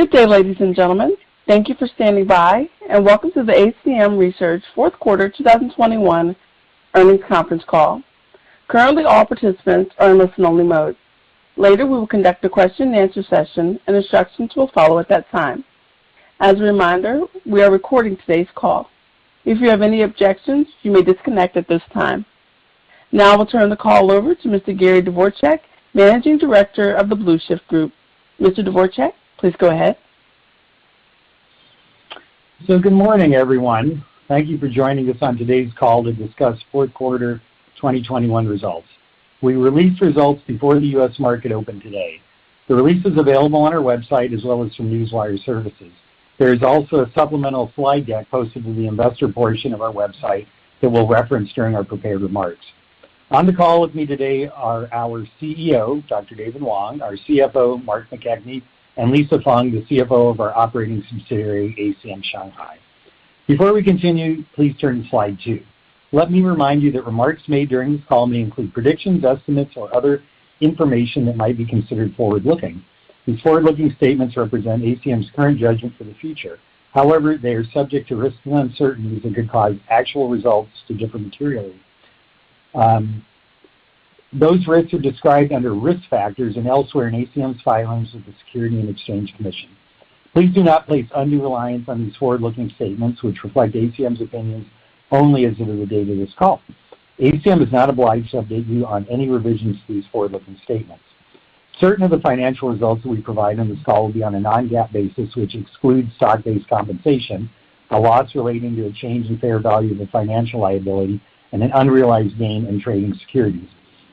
Good day, ladies and gentlemen. Thank you for standing by, and welcome to the ACM Research Fourth Quarter 2021 Earnings Conference Call. Currently, all participants are in listen only mode. Later, we will conduct a question and answer session and instructions will follow at that time. As a reminder, we are recording today's call. If you have any objections, you may disconnect at this time. Now I will turn the call over to Mr. Gary Dvorchak, Managing Director of the Blueshirt Group. Mr. Dvorchak, please go ahead. Good morning, everyone. Thank you for joining us on today's call to discuss fourth quarter 2021 results. We released results before the U.S. market opened today. The release is available on our website as well as from Newswire Services. There is also a supplemental slide deck posted to the investor portion of our website that we'll reference during our prepared remarks. On the call with me today are our CEO, Dr. David Wang, our CFO, Mark McKechnie, and Lisa Feng, the CFO of our operating subsidiary, ACM Shanghai. Before we continue, please turn to slide two. Let me remind you that remarks made during this call may include predictions, estimates, or other information that might be considered forward-looking. These forward-looking statements represent ACM's current judgment for the future. However, they are subject to risks and uncertainties that could cause actual results to differ materially. Those risks are described under risk factors and elsewhere in ACM's filings with the Securities and Exchange Commission. Please do not place undue reliance on these forward-looking statements, which reflect ACM's opinions only as of the date of this call. ACM is not obliged to update you on any revisions to these forward-looking statements. Certain of the financial results that we provide on this call will be on a non-GAAP basis, which excludes stock-based compensation, a loss relating to a change in fair value of a financial liability and an unrealized gain in trading securities.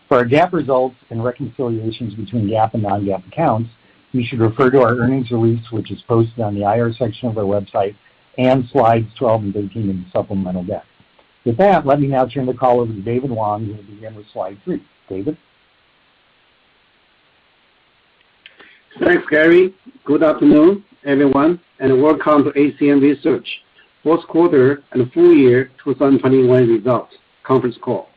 For our GAAP results and reconciliations between GAAP and non-GAAP accounts, you should refer to our earnings release, which is posted on the IR section of our website and slides 12 and 13 in the supplemental deck. With that, let me now turn the call over to David Wang, who will begin with slide three. David? Thanks, Gary. Good afternoon, everyone, and welcome to ACM Research fourth quarter and full year 2021 results conference call.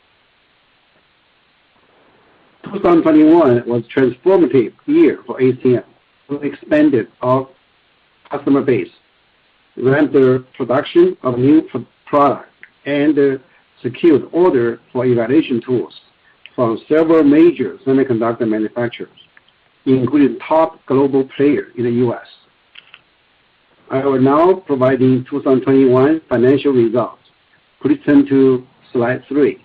2021 was a transformative year for ACM. We expanded our customer base, ramped the production of new product, and secured orders for evaluation tools from several major semiconductor manufacturers, including a top global player in the U.S. I will now provide the 2021 financial results. Please turn to slide three.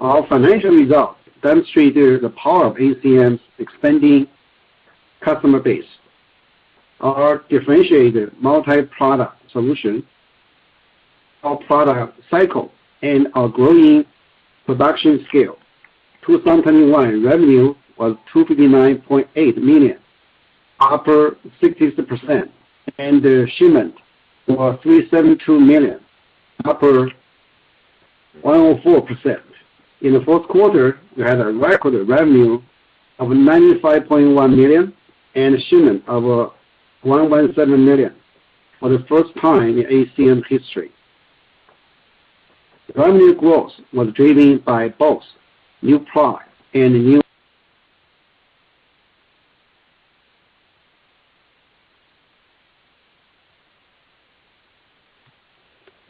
Our financial results demonstrated the power of ACM's expanding customer base, our differentiated multi-product solution, our product cycle, and our growing production scale. 2021 revenue was $259.8 million, up 60%, and the shipment was $372 million, up 104%. In the fourth quarter, we had a record revenue of $95.1 million and shipment of $1.7 million for the first time in ACM history. Revenue growth was driven by both new products and new-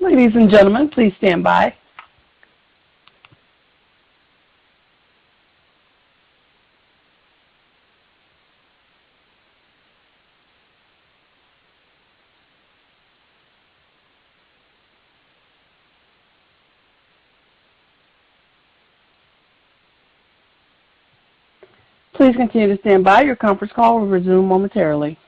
Ladies and gentlemen, please stand by. Please continue to stand by. Your conference call will resume momentarily.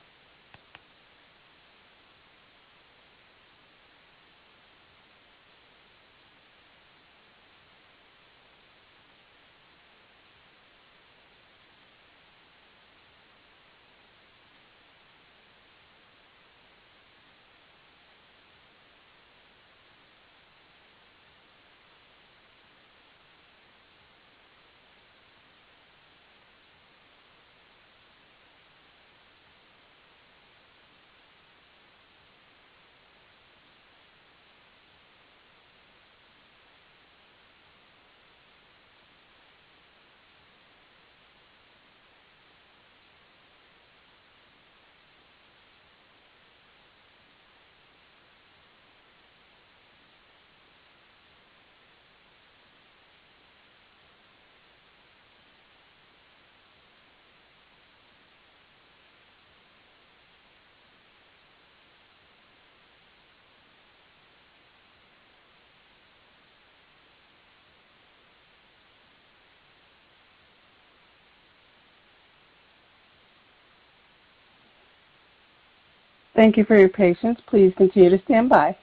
Thank you for your patience. Please continue to stand by.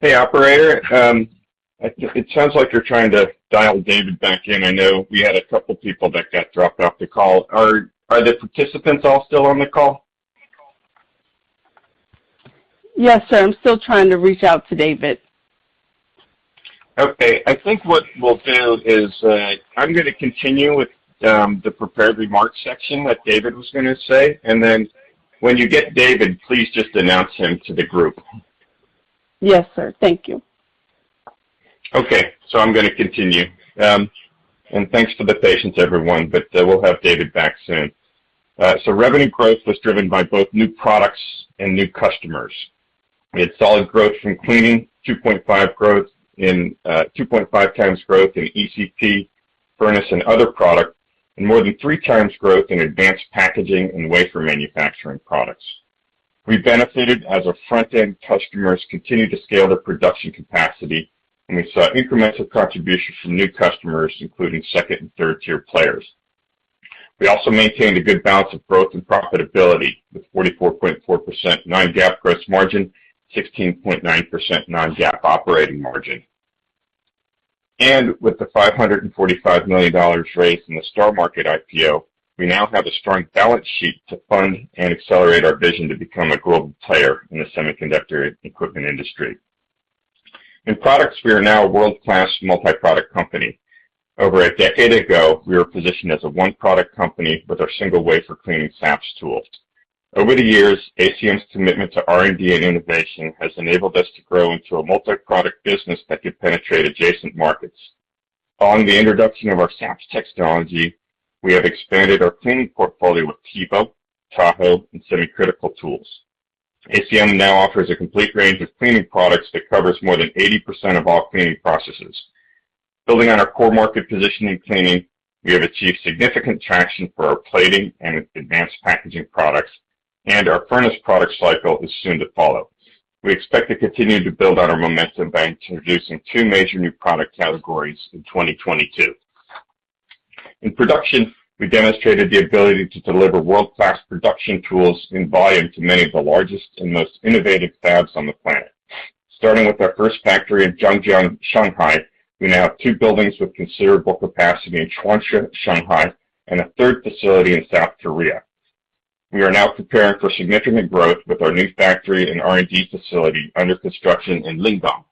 Hey, operator. It sounds like you're trying to dial David back in. I know we had a couple people that got dropped off the call. Are the participants all still on the call? Yes, sir. I'm still trying to reach out to David. Okay. I think what we'll do is, I'm gonna continue with the prepared remarks section that David was gonna say, and then when you get David, please just announce him to the group. Yes, sir. Thank you. Okay. I'm gonna continue. Thanks for the patience, everyone, but we'll have David back soon. Revenue growth was driven by both new products and new customers. We had solid growth from cleaning, 2.5x growth in ECP, furnace, and other product, and more than 3x growth in advanced packaging and wafer manufacturing products. We benefited as our front-end customers continued to scale their production capacity, and we saw incremental contributions from new customers, including second- and third-tier players. We also maintained a good balance of growth and profitability, with 44.4% non-GAAP gross margin, 16.9% non-GAAP operating margin. With the $545 million raised in the Star Market IPO, we now have a strong balance sheet to fund and accelerate our vision to become a global player in the semiconductor equipment industry. In products, we are now a world-class multi-product company. Over a decade ago, we were positioned as a one-product company with our single-wafer cleaning SAPS tools. Over the years, ACM's commitment to R&D and innovation has enabled us to grow into a multi-product business that could penetrate adjacent markets. Following the introduction of our SAPS technology, we have expanded our cleaning portfolio with TEBO, Tahoe, and semi-critical tools. ACM now offers a complete range of cleaning products that covers more than 80% of all cleaning processes. Building on our core market position in cleaning, we have achieved significant traction for our plating and advanced packaging products, and our furnace product cycle is soon to follow. We expect to continue to build on our momentum by introducing two major new product categories in 2022. In production, we demonstrated the ability to deliver world-class production tools in volume to many of the largest and most innovative fabs on the planet. Starting with our first factory in Zhangjiang, Shanghai, we now have two buildings with considerable capacity in Chuansha, Shanghai, and a third facility in South Korea. We are now preparing for significant growth with our new factory and R&D facility under construction in Lingang.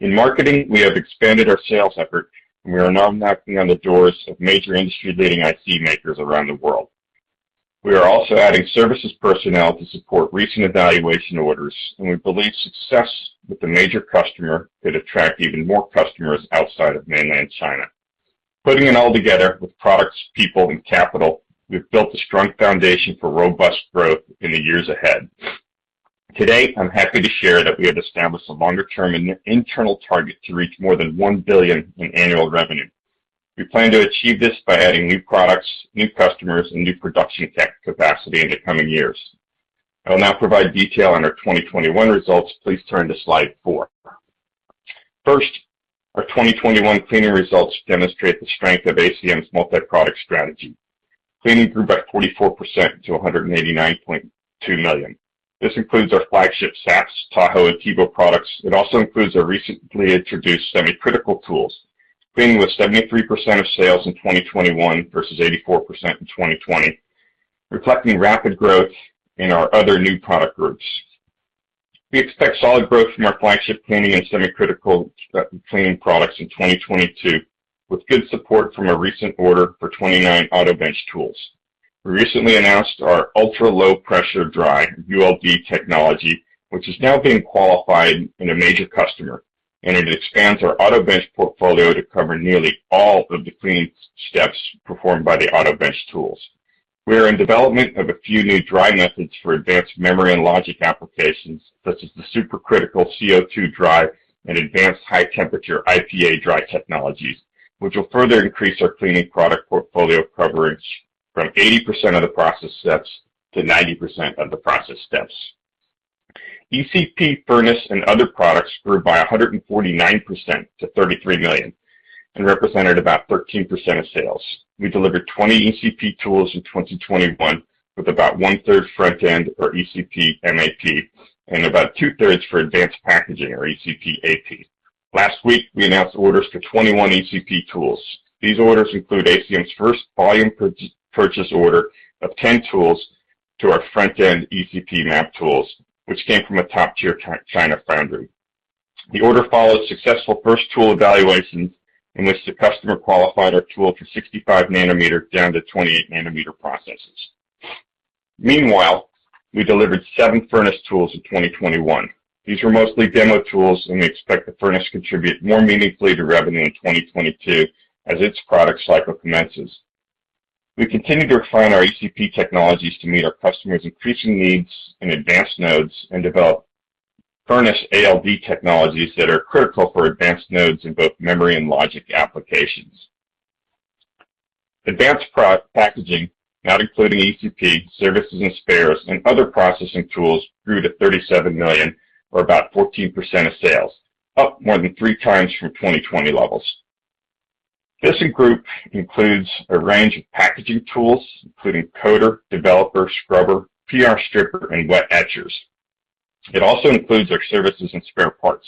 In marketing, we have expanded our sales effort, and we are now knocking on the doors of major industry-leading IC makers around the world. We are also adding services personnel to support recent evaluation orders, and we believe success with a major customer could attract even more customers outside of Mainland China. Putting it all together with products, people, and capital, we've built a strong foundation for robust growth in the years ahead. Today, I'm happy to share that we have established a longer-term and internal target to reach more than $1 billion in annual revenue. We plan to achieve this by adding new products, new customers, and new production tech capacity in the coming years. I will now provide detail on our 2021 results. Please turn to slide four. First, our 2021 cleaning results demonstrate the strength of ACM's multi-product strategy. Cleaning grew by 44% to $189.2 million. This includes our flagship SAPS, Tahoe, and TEBO products. It also includes our recently introduced semi-critical tools. Cleaning was 73% of sales in 2021 versus 84% in 2020, reflecting rapid growth in our other new product groups. We expect solid growth from our flagship cleaning and semi-critical cleaning products in 2022, with good support from a recent order for 29 AutoBench tools. We recently announced our ultra-low pressure dry, ULD, technology, which is now being qualified in a major customer, and it expands our AutoBench portfolio to cover nearly all of the cleaning steps performed by the AutoBench tools. We are in development of a few new dry methods for advanced memory and logic applications, such as the super critical CO₂ dry and advanced high temperature IPA dry technologies, which will further increase our cleaning product portfolio coverage from 80% of the process steps to 90% of the process steps. ECP, furnace, and other products grew by 149% to $33 million and represented about 13% of sales. We delivered 20 ECP tools in 2021, with about 1/3 front-end or ECP MAP, and about 2/3 for advanced packaging or ECP AP. Last week, we announced orders for 21 ECP tools. These orders include ACM's first volume purchase order of 10 tools to our front-end ECP MAP tools, which came from a top-tier China foundry. The order followed successful first tool evaluations in which the customer qualified our tool for 65 nm down to 28 nm processes. Meanwhile, we delivered seven furnace tools in 2021. These were mostly demo tools, and we expect the furnace contribute more meaningfully to revenue in 2022 as its product cycle commences. We continue to refine our ECP technologies to meet our customers' increasing needs in advanced nodes and develop furnace ALD technologies that are critical for advanced nodes in both memory and logic applications. Advanced packaging, not including ECP, services and spares, and other processing tools, grew to $37 million or about 14% of sales, up more than three times from 2020 levels. This group includes a range of packaging tools, including coater, developer, scrubber, PR stripper, and wet etchers. It also includes our services and spare parts.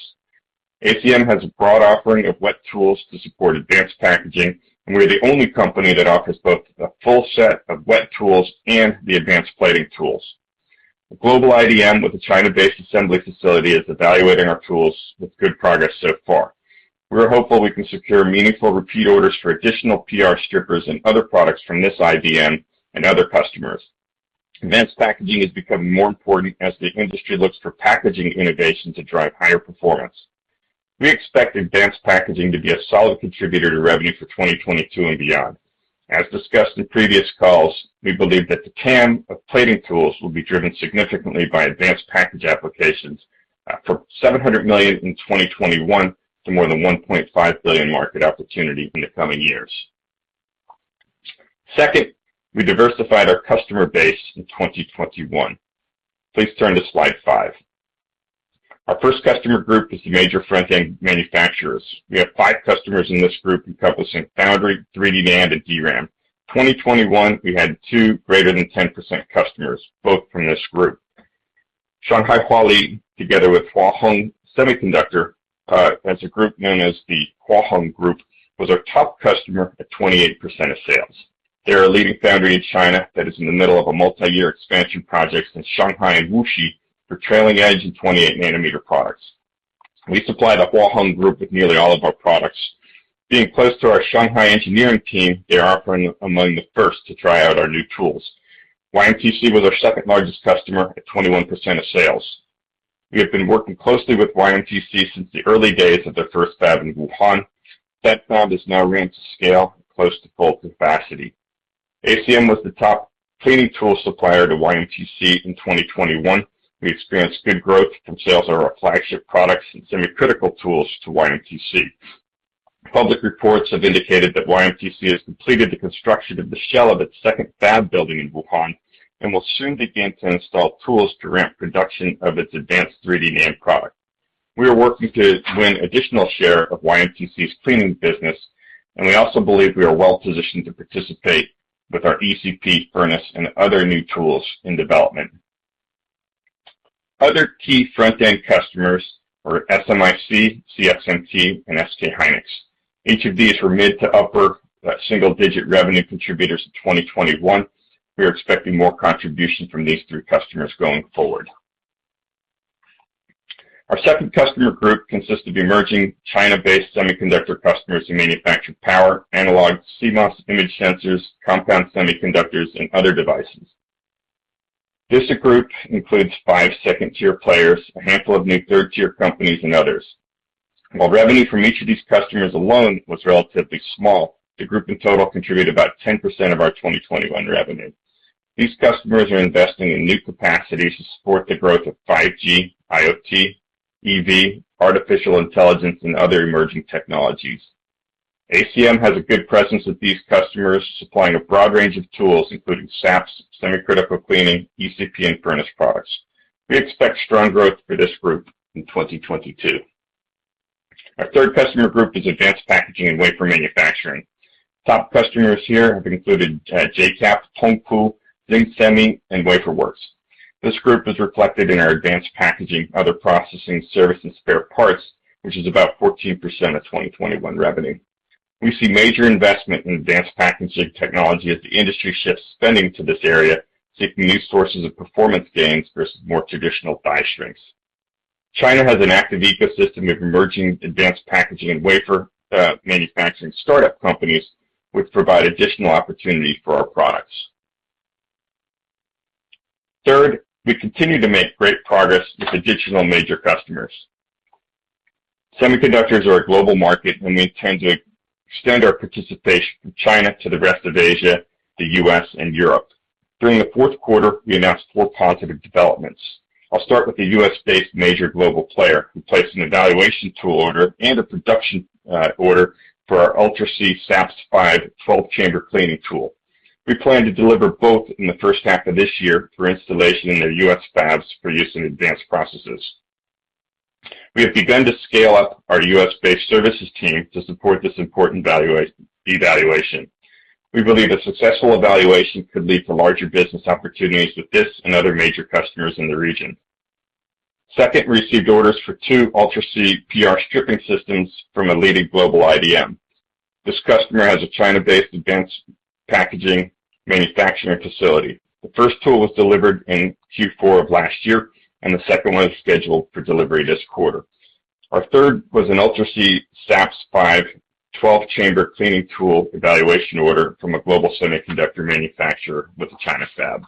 ACM has a broad offering of wet tools to support advanced packaging, and we're the only company that offers both the full set of wet tools and the advanced plating tools. A global IDM with a China-based assembly facility is evaluating our tools with good progress so far. We are hopeful we can secure meaningful repeat orders for additional PR strippers and other products from this IDM and other customers. Advanced packaging is becoming more important as the industry looks for packaging innovation to drive higher performance. We expect advanced packaging to be a solid contributor to revenue for 2022 and beyond. As discussed in previous calls, we believe that the TAM of plating tools will be driven significantly by advanced package applications, from $700 million in 2021 to more than $1.5 billion market opportunity in the coming years. Second, we diversified our customer base in 2021. Please turn to slide five. Our first customer group is the major front-end manufacturers. We have five customers in this group encompassing foundry, 3D NAND, and DRAM. 2021, we had two greater than 10% customers, both from this group. Shanghai Huali, together with Hua Hong Semiconductor, as a group known as the Hua Hong Group, was our top customer at 28% of sales. They are a leading foundry in China that is in the middle of a multi-year expansion project in Shanghai and Wuxi for trailing edge and 28 nm products. We supply the Hua Hong Group with nearly all of our products. Being close to our Shanghai engineering team, they are often among the first to try out our new tools. YMTC was our second largest customer at 21% of sales. We have been working closely with YMTC since the early days of their first fab in Wuhan. That fab is now ramped to scale, close to full capacity. ACM was the top cleaning tool supplier to YMTC in 2021. We experienced good growth from sales of our flagship products and semi-critical tools to YMTC. Public reports have indicated that YMTC has completed the construction of the shell of its second fab building in Wuhan and will soon begin to install tools to ramp production of its advanced 3D NAND product. We are working to win additional share of YMTC's cleaning business, and we also believe we are well positioned to participate with our ECP furnace and other new tools in development. Other key front-end customers are SMIC, CXMT, and SK Hynix. Each of these were mid to upper single-digit revenue contributors in 2021. We are expecting more contribution from these three customers going forward. Our second customer group consists of emerging China-based semiconductor customers who manufacture power, analog, CMOS, image sensors, compound semiconductors, and other devices. This group includes five second-tier players, a handful of new third-tier companies, and others. While revenue from each of these customers alone was relatively small, the group in total contributed about 10% of our 2021 revenue. These customers are investing in new capacities to support the growth of 5G, IoT, EV, artificial intelligence, and other emerging technologies. ACM has a good presence with these customers, supplying a broad range of tools, including SAPS, semi-critical cleaning, ECP, and furnace products. We expect strong growth for this group in 2022. Our third customer group is advanced packaging and wafer manufacturing. Top customers here have included JCET, Tongfu, Zhonghuan Semi, and Wafer Works. This group is reflected in our advanced packaging, other processing, service and spare parts, which is about 14% of 2021 revenue. We see major investment in advanced packaging technology as the industry shifts spending to this area, seeking new sources of performance gains versus more traditional node shrinks. China has an active ecosystem of emerging advanced packaging and wafer manufacturing startup companies, which provide additional opportunity for our products. Third, we continue to make great progress with additional major customers. Semiconductors are a global market, and we intend to extend our participation from China to the rest of Asia, the U.S., and Europe. During the fourth quarter, we announced four positive developments. I'll start with the U.S.-based major global player who placed an evaluation tool order and a production order for our Ultra C SAPS 512-chamber cleaning tool. We plan to deliver both in the first half of this year for installation in their U.S. fabs for use in advanced processes. We have begun to scale up our U.S.-based services team to support this important evaluation. We believe a successful evaluation could lead to larger business opportunities with this and other major customers in the region. Second, received orders for two Ultra C PR stripping systems from a leading global IDM. This customer has a China-based advanced packaging manufacturing facility. The first tool was delivered in Q4 of last year, and the second one is scheduled for delivery this quarter. Our third was an Ultra C SAPS 512-chamber cleaning tool evaluation order from a global semiconductor manufacturer with a China fab.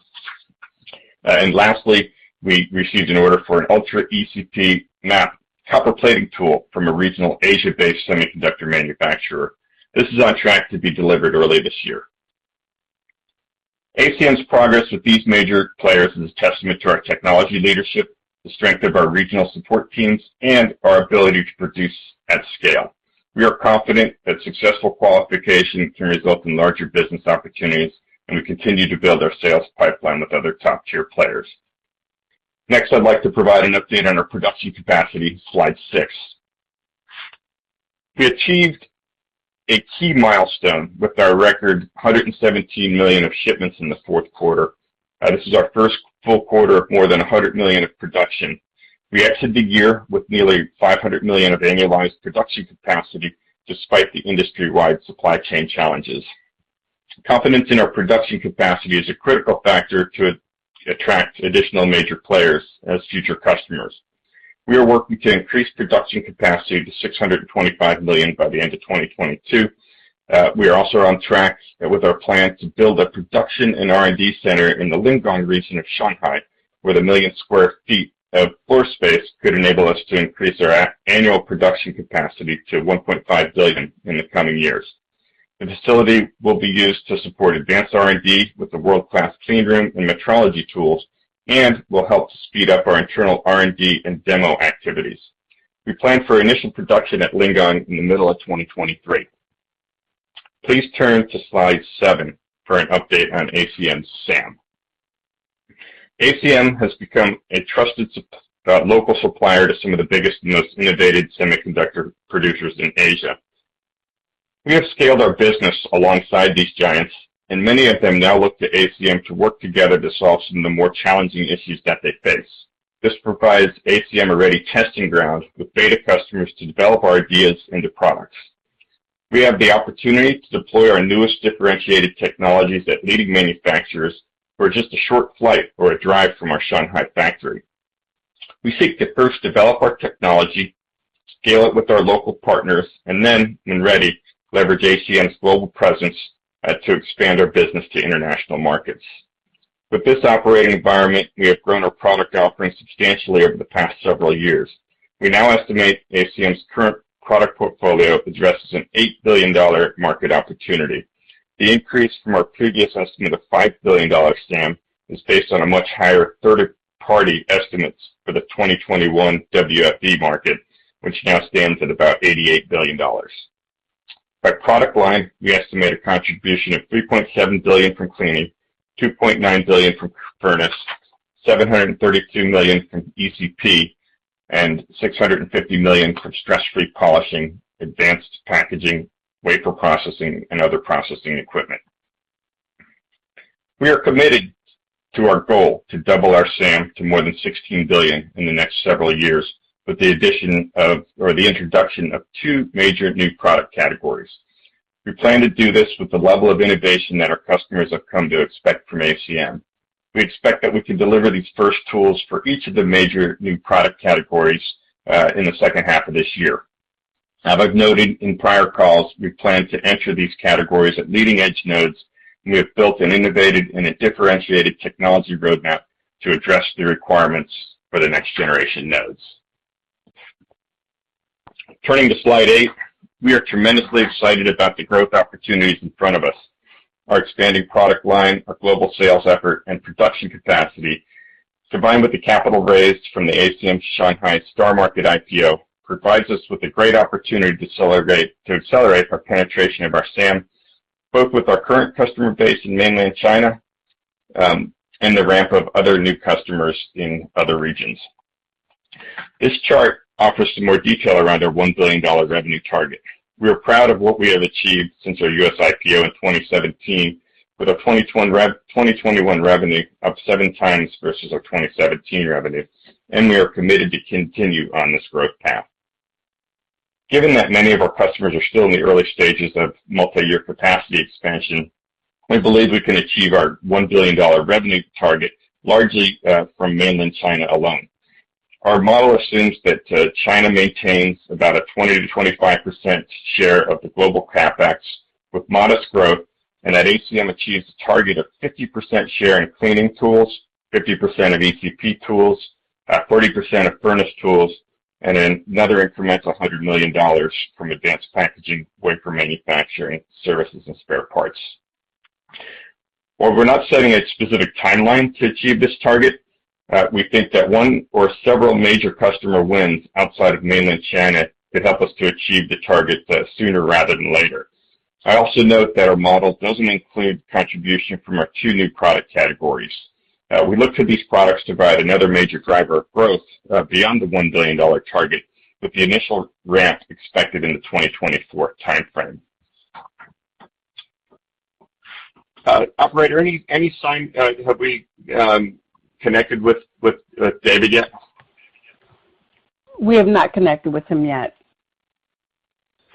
And lastly, we received an order for an Ultra ECP MAP copper plating tool from a regional Asia-based semiconductor manufacturer. This is on track to be delivered early this year. ACM's progress with these major players is a testament to our technology leadership, the strength of our regional support teams, and our ability to produce at scale. We are confident that successful qualification can result in larger business opportunities, and we continue to build our sales pipeline with other top-tier players. Next, I'd like to provide an update on our production capacity. Slide six. We achieved a key milestone with our record $117 million of shipments in the fourth quarter. This is our first full quarter of more than $100 million of production. We exited the year with nearly $500 million of annualized production capacity despite the industry-wide supply chain challenges. Confidence in our production capacity is a critical factor to attract additional major players as future customers. We are working to increase production capacity to 625 million by the end of 2022. We are also on track with our plan to build a production and R&D center in the Lingang region of Shanghai, where one million sq ft of floor space could enable us to increase our annual production capacity to 1.5 billion in the coming years. The facility will be used to support advanced R&D with the world-class clean room and metrology tools and will help to speed up our internal R&D and demo activities. We plan for initial production at Lingang in the middle of 2023. Please turn to slide seven for an update on ACM's SAM. ACM has become a trusted supplier to some of the biggest and most innovative semiconductor producers in Asia. We have scaled our business alongside these giants, and many of them now look to ACM to work together to solve some of the more challenging issues that they face. This provides ACM a ready testing ground with beta customers to develop our ideas into products. We have the opportunity to deploy our newest differentiated technologies at leading manufacturers for just a short flight or a drive from our Shanghai factory. We seek to first develop our technology, scale it with our local partners, and then, when ready, leverage ACM's global presence, to expand our business to international markets. With this operating environment, we have grown our product offering substantially over the past several years. We now estimate ACM's current product portfolio addresses an $8 billion market opportunity. The increase from our previous estimate of $5 billion SAM is based on much higher third-party estimates for the 2021 WFE market, which now stands at about $88 billion. By product line, we estimate a contribution of $3.7 billion from cleaning, $2.9 billion from furnace, $732 million from ECP, and $650 million from stress-free polishing, advanced packaging, wafer processing, and other processing equipment. We are committed to our goal to double our SAM to more than $16 billion in the next several years with the addition of or the introduction of two major new product categories. We plan to do this with the level of innovation that our customers have come to expect from ACM. We expect that we can deliver these first tools for each of the major new product categories in the second half of this year. As I've noted in prior calls, we plan to enter these categories at leading-edge nodes, and we have built an innovative and a differentiated technology roadmap to address the requirements for the next generation nodes. Turning to slide eight, we are tremendously excited about the growth opportunities in front of us. Our expanding product line, our global sales effort, and production capacity, combined with the capital raised from the ACM Shanghai Star Market IPO, provides us with a great opportunity to accelerate our penetration of our SAM, both with our current customer base in Mainland China, and the ramp of other new customers in other regions. This chart offers some more detail around our $1 billion revenue target. We are proud of what we have achieved since our U.S. IPO in 2017, with our 2021 revenue up 7x versus our 2017 revenue, and we are committed to continue on this growth path. Given that many of our customers are still in the early stages of multi-year capacity expansion, we believe we can achieve our $1 billion revenue target largely from Mainland China alone. Our model assumes that China maintains about a 20%-25% share of the global CapEx with modest growth, and that ACM achieves a target of 50% share in cleaning tools, 50% of ECP tools, 40% of furnace tools, and another incremental $100 million from advanced packaging, wafer manufacturing, services, and spare parts. While we're not setting a specific timeline to achieve this target, we think that one or several major customer wins outside of Mainland China could help us to achieve the target, sooner rather than later. I also note that our model doesn't include contribution from our two new product categories. We look for these products to provide another major driver of growth, beyond the $1 billion target, with the initial ramp expected in the 2024 timeframe. Operator, any sign, have we connected with David yet? We have not connected with him yet.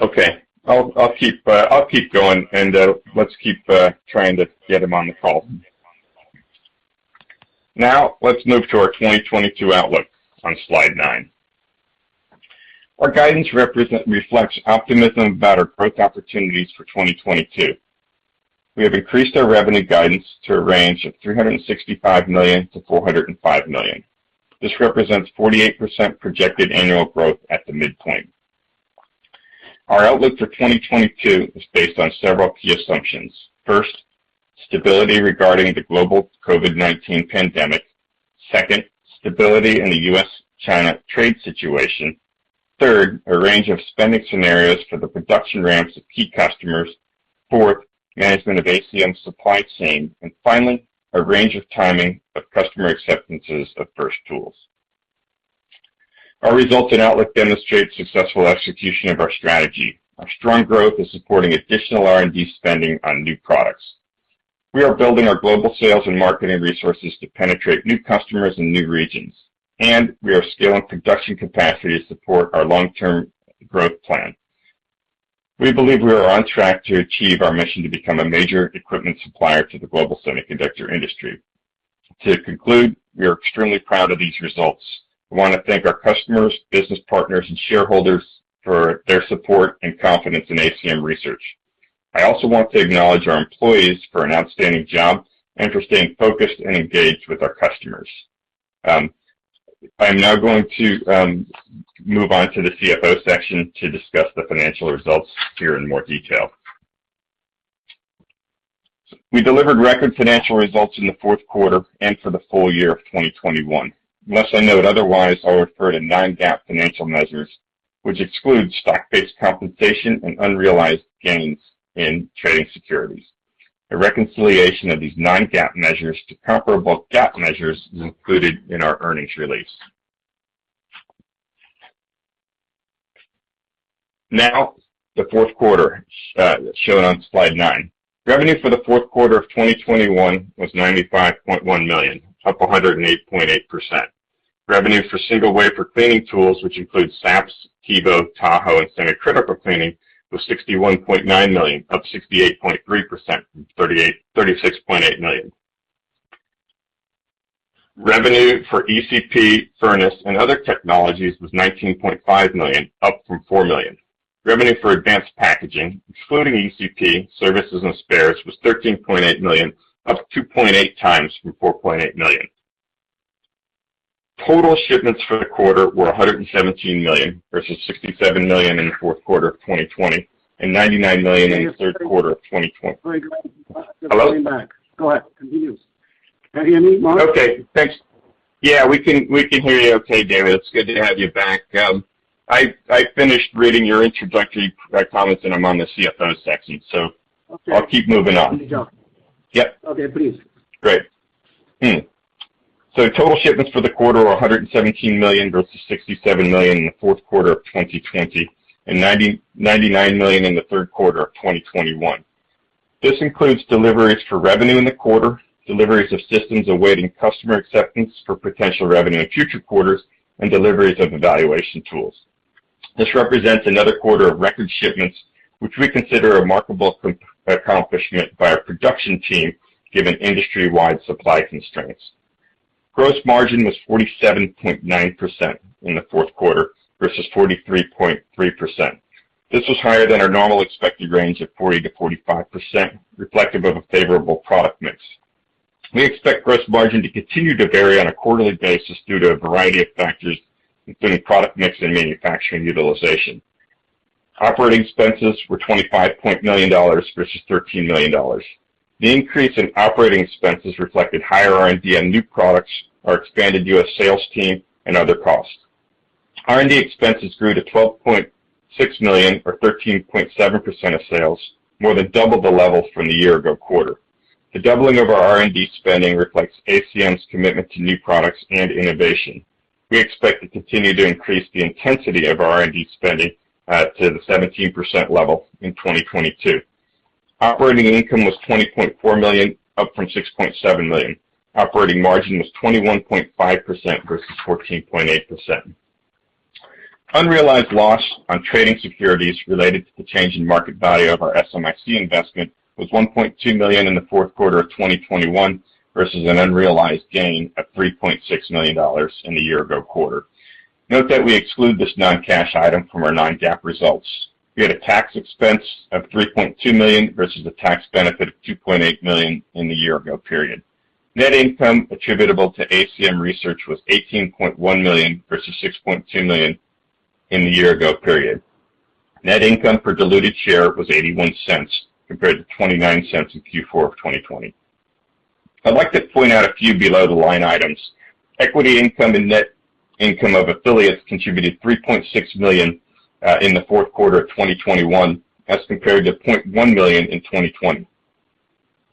Okay. I'll keep going, and let's keep trying to get him on the call. Now, let's move to our 2022 outlook on slide nine. Our guidance reflects optimism about our growth opportunities for 2022. We have increased our revenue guidance to a range of $365 million-$405 million. This represents 48% projected annual growth at the midpoint. Our outlook for 2022 is based on several key assumptions. First, stability regarding the global COVID-19 pandemic. Second, stability in the U.S.-China trade situation. Third, a range of spending scenarios for the production ramps of key customers. Fourth, management of ACM's supply chain. Finally, a range of timing of customer acceptances of first tools. Our results and outlook demonstrate successful execution of our strategy. Our strong growth is supporting additional R&D spending on new products. We are building our global sales and marketing resources to penetrate new customers in new regions, and we are scaling production capacity to support our long-term growth plan. We believe we are on track to achieve our mission to become a major equipment supplier to the global semiconductor industry. To conclude, we are extremely proud of these results. We wanna thank our customers, business partners, and shareholders for their support and confidence in ACM Research. I also want to acknowledge our employees for an outstanding job and for staying focused and engaged with our customers. I am now going to move on to the CFO section to discuss the financial results here in more detail. We delivered record financial results in the fourth quarter and for the full year of 2021. Unless I note otherwise, I'll refer to non-GAAP financial measures, which exclude stock-based compensation and unrealized gains in trading securities. A reconciliation of these non-GAAP measures to comparable GAAP measures is included in our earnings release. Now, the fourth quarter shown on slide nine. Revenue for the fourth quarter of 2021 was $95.1 million, up 108.8%. Revenue for single wafer cleaning tools, which includes SAPS, TEBO, Tahoe, and semi-critical cleaning, was $61.9 million, up 68.3% from $36.8 million. Revenue for ECP, furnace, and other technologies was $19.5 million, up from $4 million. Revenue for advanced packaging, excluding ECP, services, and spares, was $13.8 million, up 2.8x from $4.8 million. Total shipments for the quarter were 117 million versus 67 million in the fourth quarter of 2020 and 99 million in the third quarter of 2020. Hello? Go ahead. Continue. Can you hear me, Mark? Okay, thanks. Yeah, we can hear you okay, David. It's good to have you back. I finished reading your introductory comments, and I'm on the CFO section. Okay. I'll keep moving on. Good to go. Yep. Okay, please. Total shipments for the quarter are $117 million versus $67 million in the fourth quarter of 2020 and $99 million in the third quarter of 2021. This includes deliveries for revenue in the quarter, deliveries of systems awaiting customer acceptance for potential revenue in future quarters, and deliveries of evaluation tools. This represents another quarter of record shipments, which we consider a remarkable accomplishment by our production team, given industry-wide supply constraints. Gross margin was 47.9% in the fourth quarter versus 43.3%. This was higher than our normal expected range of 40%-45%, reflective of a favorable product mix. We expect gross margin to continue to vary on a quarterly basis due to a variety of factors, including product mix and manufacturing utilization. Operating expenses were $25 million versus $13 million. The increase in operating expenses reflected higher R&D and new products, our expanded U.S. sales team, and other costs. R&D expenses grew to $12.6 million or 13.7% of sales, more than double the level from the year ago quarter. The doubling of our R&D spending reflects ACM's commitment to new products and innovation. We expect to continue to increase the intensity of R&D spending to the 17% level in 2022. Operating income was $20.4 million, up from $6.7 million. Operating margin was 21.5% versus 14.8%. Unrealized loss on trading securities related to the change in market value of our SMIC investment was $1.2 million in the fourth quarter of 2021 versus an unrealized gain of $3.6 million in the year ago quarter. Note that we exclude this non-cash item from our non-GAAP results. We had a tax expense of $3.2 million versus a tax benefit of $2.8 million in the year ago period. Net income attributable to ACM Research was $18.1 million versus $6.2 million in the year ago period. Net income per diluted share was $0.81 compared to $0.29 in Q4 of 2020. I'd like to point out a few below-the-line items. Equity income and net income of affiliates contributed $3.6 million in the fourth quarter of 2021 as compared to $0.1 million in 2020.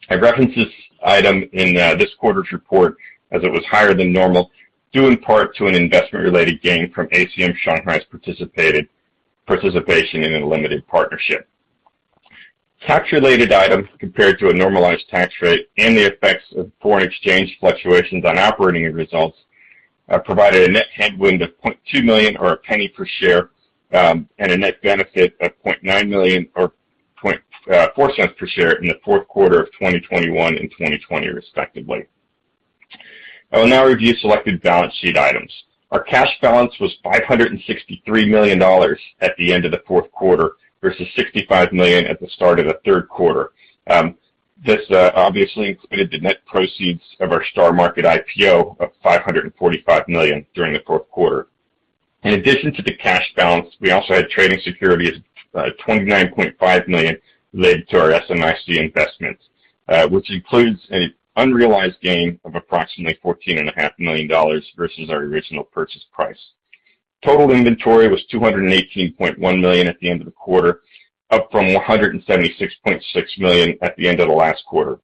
I reference this item in this quarter's report as it was higher than normal, due in part to an investment-related gain from ACM Shanghai's participation in a limited partnership. Tax-related items compared to a normalized tax rate and the effects of foreign exchange fluctuations on operating results provided a net headwind of $0.2 million or $0.01 per share, and a net benefit of $0.9 million or $0.04 per share in the fourth quarter of 2021 and 2020, respectively. I will now review selected balance sheet items. Our cash balance was $563 million at the end of the fourth quarter versus $65 million at the start of the third quarter. This obviously included the net proceeds of our Star Market IPO of $545 million during the fourth quarter. In addition to the cash balance, we also had trading securities, $29.5 million related to our SMIC investments, which includes an unrealized gain of approximately $14.5 million versus our original purchase price. Total inventory was $218.1 million at the end of the quarter, up from $176.6 million at the end of the last quarter.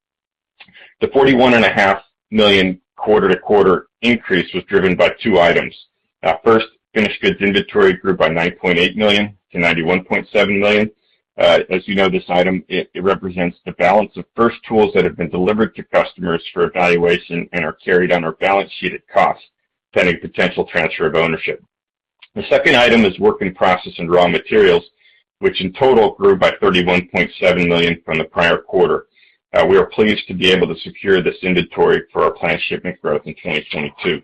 The $41.5 million quarter-to-quarter increase was driven by two items. First, finished goods inventory grew by $9.8 million to $91.7 million. As you know, this item, it represents the balance of first tools that have been delivered to customers for evaluation and are carried on our balance sheet at cost, pending potential transfer of ownership. The second item is work in process and raw materials, which in total grew by $31.7 million from the prior quarter. We are pleased to be able to secure this inventory for our planned shipment growth in 2022.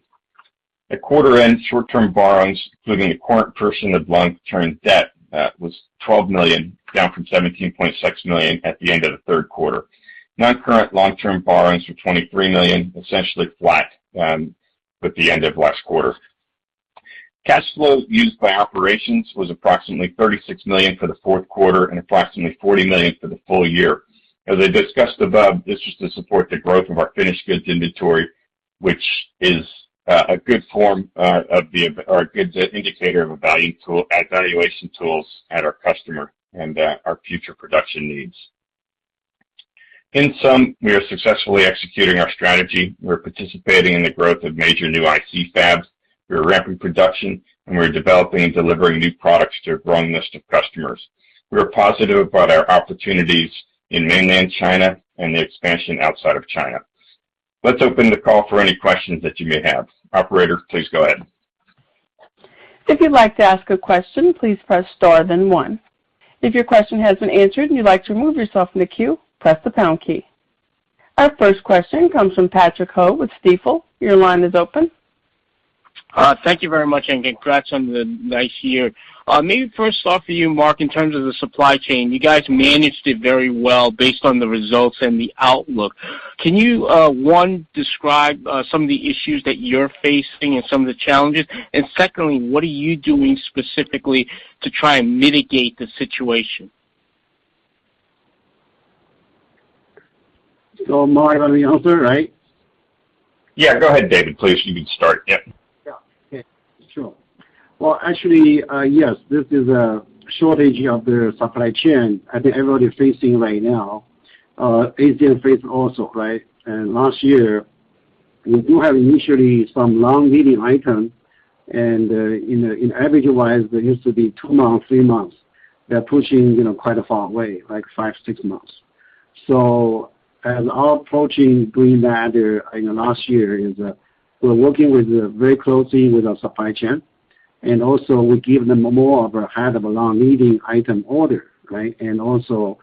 At quarter end, short-term borrowings, including a current portion of long-term debt, was $12 million, down from $17.6 million at the end of the third quarter. Non-current long-term borrowings were $23 million, essentially flat with the end of last quarter. Cash flow used by operations was approximately $36 million for the fourth quarter and approximately $40 million for the full year. As I discussed above, this was to support the growth of our finished goods inventory, which is a good indicator of evaluation tools at our customer and our future production needs. In sum, we are successfully executing our strategy. We're participating in the growth of major new IC fabs. We are ramping production, and we are developing and delivering new products to a growing list of customers. We are positive about our opportunities in mainland China and the expansion outside of China. Let's open the call for any questions that you may have. Operator, please go ahead. Our first question comes from Patrick Ho with Stifel. Your line is open. Thank you very much, and congrats on the nice year. Maybe first off for you, Mark, in terms of the supply chain, you guys managed it very well based on the results and the outlook. Can you, one, describe some of the issues that you're facing and some of the challenges? Secondly, what are you doing specifically to try and mitigate the situation? Mark wants me to answer, right? Yeah, go ahead, David, please. You can start. Yep. Yes, this is a shortage of the supply chain I think everybody is facing right now, ACM facing also, right? Last year, we do have usually some long-lead items, and on average, they used to be two months, three months. They're pushing, you know, quite far away, like five, six months. So, as we're approaching greenfield in the last year, we're working very closely with our supply chain, and also, we give them more of a heads-up on long-lead item orders, right? And also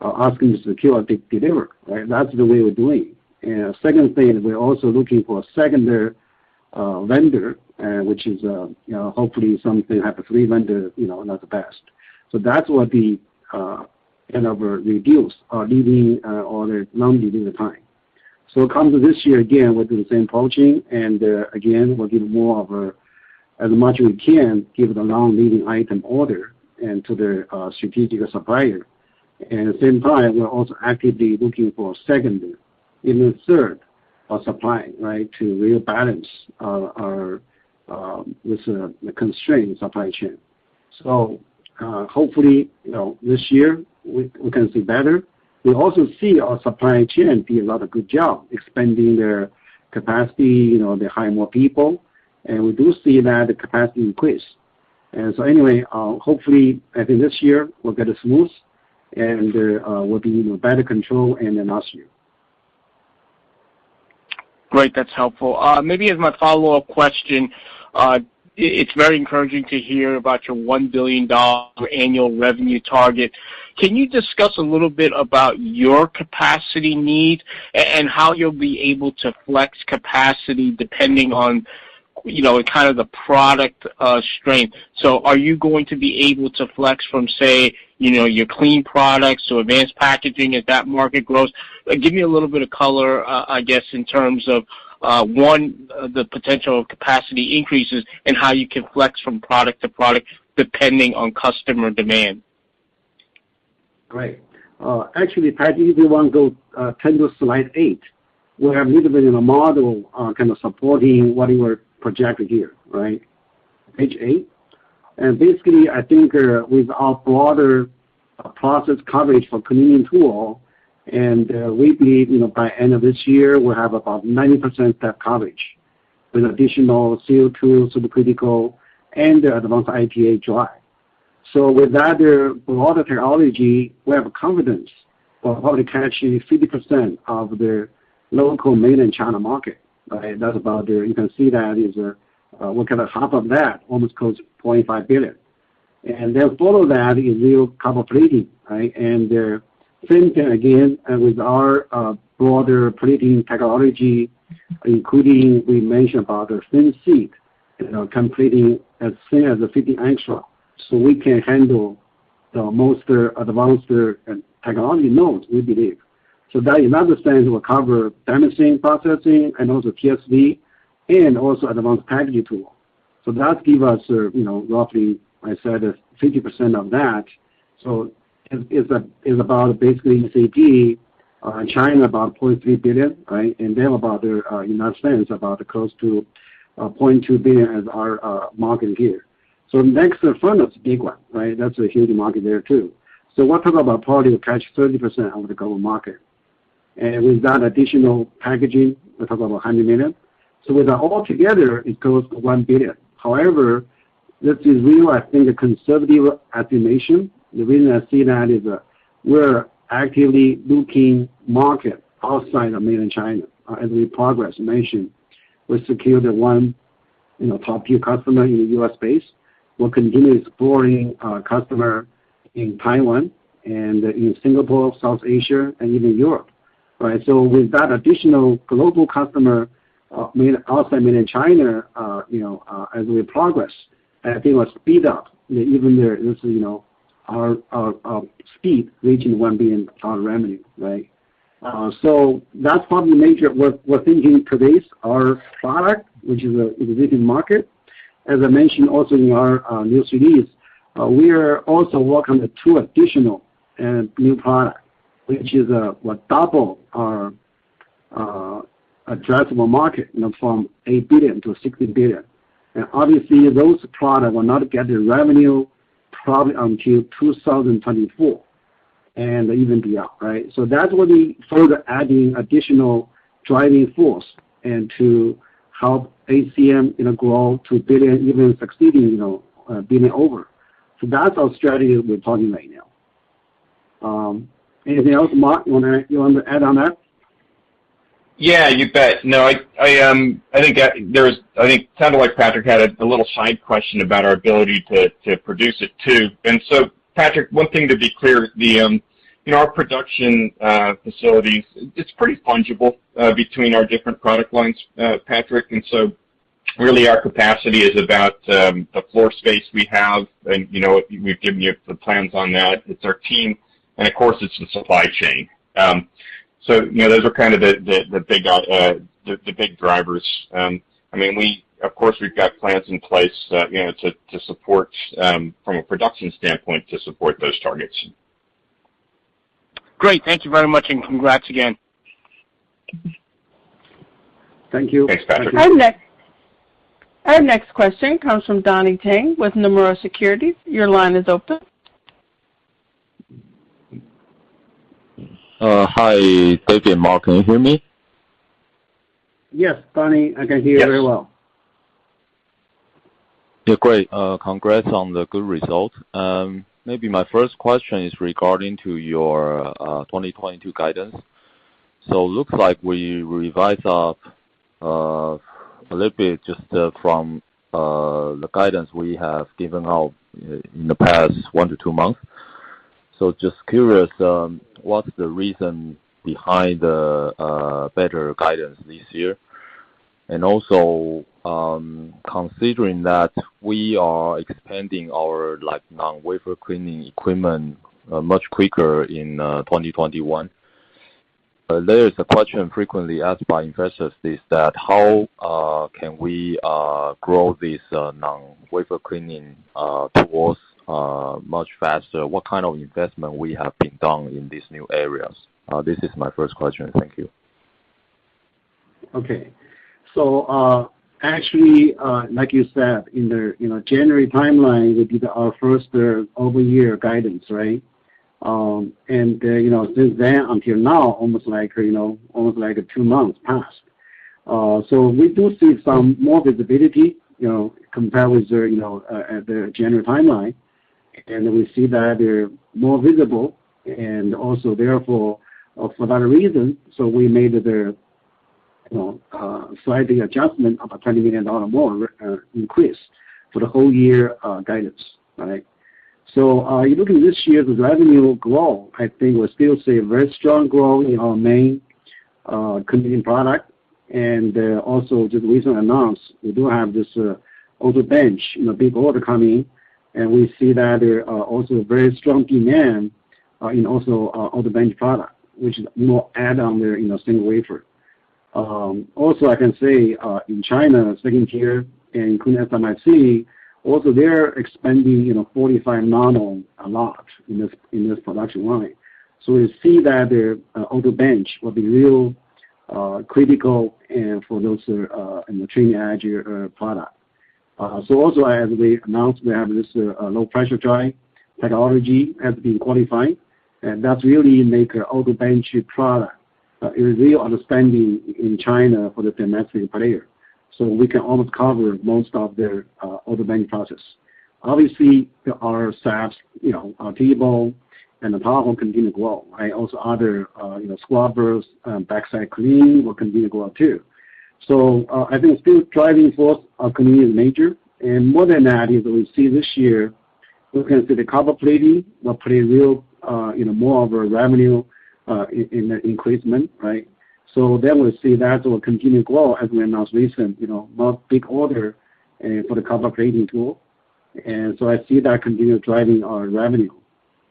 asking to secure delivery, right? That's the way we're doing. Second thing, we're also looking for a secondary vendor, which is, you know, hopefully something like a third vendor, you know, not the best. That's what the end of our reviews are leading to or the non-lead time. When it comes to this year, again, we'll do the same approach, and again, we'll give as much as we can the long-lead item order to the strategic supplier. At the same time, we're also actively looking for secondary, even third-party supply, right, to rebalance our risk with the constrained supply chain. Hopefully, you know, this year we can see better. We also see our supply chain did a lot of good job expanding their capacity. You know, they hire more people, and we do see that the capacity increased. Anyway, hopefully, I think this year will get smooth, and we'll be in better control than last year. Great. That's helpful. Maybe as my follow-up question, it's very encouraging to hear about your $1 billion annual revenue target. Can you discuss a little bit about your capacity need and how you'll be able to flex capacity depending on, you know, kind of the product strength? Are you going to be able to flex from, say, you know, your clean products or advanced packaging as that market grows? Give me a little bit of color, I guess, in terms of one, the potential capacity increases and how you can flex from product to product depending on customer demand. Great. Actually, Patrick, if you wanna go, can you go to slide eight, where I've listed in a model, kind of supporting what you were projecting here, right? Page eight. Basically, I think with our broader process coverage for cleaning tool, and, we believe, you know, by end of this year, we'll have about 90% that coverage with additional CO₂ supercritical, and the advanced IPA dry. With that broader technology, we have confidence for probably catching 50% of the local mainland China market, right? You can see that is, we're kind of half of that, almost close to $0.5 billion. Then follow that is real copper plating, right? The same thing again, with our broader plating technology, including we mentioned about the thin seed, you know, can plating as thin as the 50 Å. We can handle the most advanced technology nodes, we believe. That in United States will cover thin film processing and also TSV and also advanced packaging tool. That give us, you know, roughly, I said 50% of that. It's about basically in ECP, China about $0.3 billion, right? Then about the United States, about close to $0.2 billion as our market here. Next in front-end big one, right? That's a huge market there, too. We're talking about probably to capture 30% of the global market. With that additional packaging, we talk about $100 million. With that all together, it goes to $1 billion. However, this is really, I think, a conservative estimate. The reason I say that is, we're actively looking at markets outside of mainland China, as we progress. I mentioned we secured the one, you know, top-tier customer in the U.S.-based. We're continuously exploring, customer in Taiwan and in Singapore, South Asia and even Europe, right? With that additional global customer, main-- outside mainland China, you know, as we progress, I think it will speed up even there, you know, our speed reaching $1 billion revenue, right? That's probably major. We're thinking today's our product, which is a leading market. As I mentioned also in our, news release, we are also working on the two additional, new products, which is, will double our, addressable market, you know, from $8 billion-$16 billion. Obviously, those products will not get the revenue probably until 2024 and even beyond, right? That will be further adding additional driving force and to help ACM, you know, grow to billion, even exceeding, you know, billion over. That's our strategy we're talking right now. Anything else, Mark, you want to add to that? Yeah, you bet. No, I think it sounded like Patrick had a little side question about our ability to produce it, too. Patrick, one thing to be clear, you know, our production facilities, it's pretty fungible between our different product lines, Patrick, and so really our capacity is about the floor space we have. You know, we've given you the plans on that. It's our team, and of course, it's the supply chain. You know, those are kind of the big drivers. I mean, of course, we've got plans in place, you know, to support from a production standpoint to support those targets. Great. Thank you very much, and congrats again. Thank you. Thanks, Patrick. Our next question comes from Donnie Teng with Nomura Securities. Your line is open. Hi, David and Mark. Can you hear me? Yes, Donnie, I can hear you very well. Yeah. Great. Congrats on the good results. Maybe my first question is regarding to your 2022 guidance. Looks like we revised up a little bit just from the guidance we have given out in the past one to two months. Just curious, what's the reason behind the better guidance this year? Also, considering that we are expanding our like non-wafer cleaning equipment much quicker in 2021. The question frequently asked by investors is how can we grow this non-wafer cleaning towards much faster? What kind of investment we have been done in these new areas? This is my first question. Thank you. Okay. Actually, like you said, in the you know January timeline, it will be our first full-year guidance, right? You know, since then until now, almost like you know two months passed. We do see some more visibility, you know, compared with the you know January timeline. We see that they're more visible and also therefore, for that reason, we made the, you know slight adjustment of a $20 million more increase for the whole year guidance. All right? You look at this year's revenue growth; I think we still see a very strong growth in our main continuing product. We also just recently announced we do have this AutoBench, you know, big order come in, and we see that there are also very strong demand in also our AutoBench product, which is more add on there, you know, single wafer. I can say in China, second-tier and including SMIC, also they're expanding, you know, 45 nm a lot in this production line. We see that their AutoBench will be real critical and for those, you know, trailing-edge product. Also as we announced, we have this low-pressure dry technology has been qualifying, and that's really make our AutoBench product a real standout in China for the domestic player. We can almost cover most of their AutoBench process. Obviously, our SAPS, you know, Tahoe and the top one continue to grow, right? Also other, you know, scrubbers, backside cleaning will continue to grow too. I think still driving force are continuing major. More than that is that we see this year, we can see the copper plating will play a real, you know, more of a revenue, in the increasement, right? We'll see that will continue to grow as we announced recent, you know, more big order, for the copper plating tool. I see that continue driving our revenue.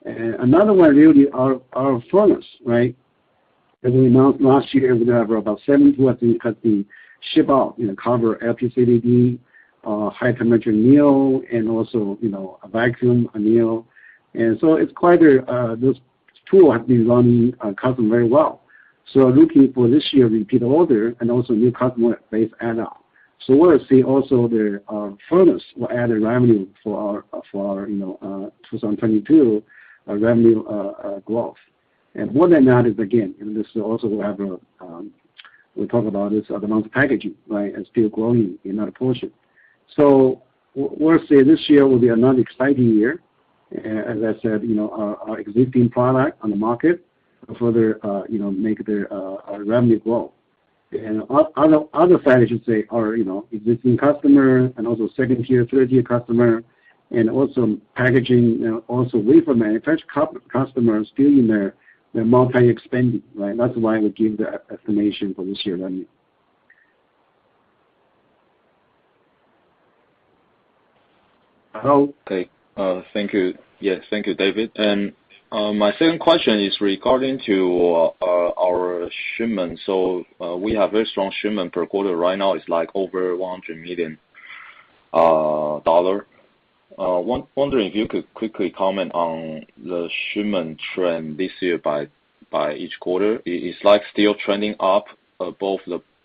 Another one really are furnace, right? As we announced last year, we have about seven tools I think has been ship out, you know, cover LPCVD, high temperature anneal, and also, you know, a vacuum, a anneal. It's quite a those tools have been running very well. Looking for this year repeat order and also new customer base add on. We'll see also the furnace will add a revenue for our 2022 revenue growth. More than that is again, and this also we talk about is the amount of packaging, right? It's still growing in that portion. We'll say this year will be another exciting year. As I said, you know, our existing product on the market further, you know, make our revenue grow. Other side I should say are, you know, existing customer and also second-tier, third-tier customer and also packaging, also wafer manufacturer customers still in their multi expanding, right? That's why we give the estimation for this year revenue. Okay. Thank you. Yes. Thank you, David. My second question is regarding our shipment. We have very strong shipment per quarter. Right now, it's like over $100 million. Wondering if you could quickly comment on the shipment trend this year by each quarter. Is like still trending up both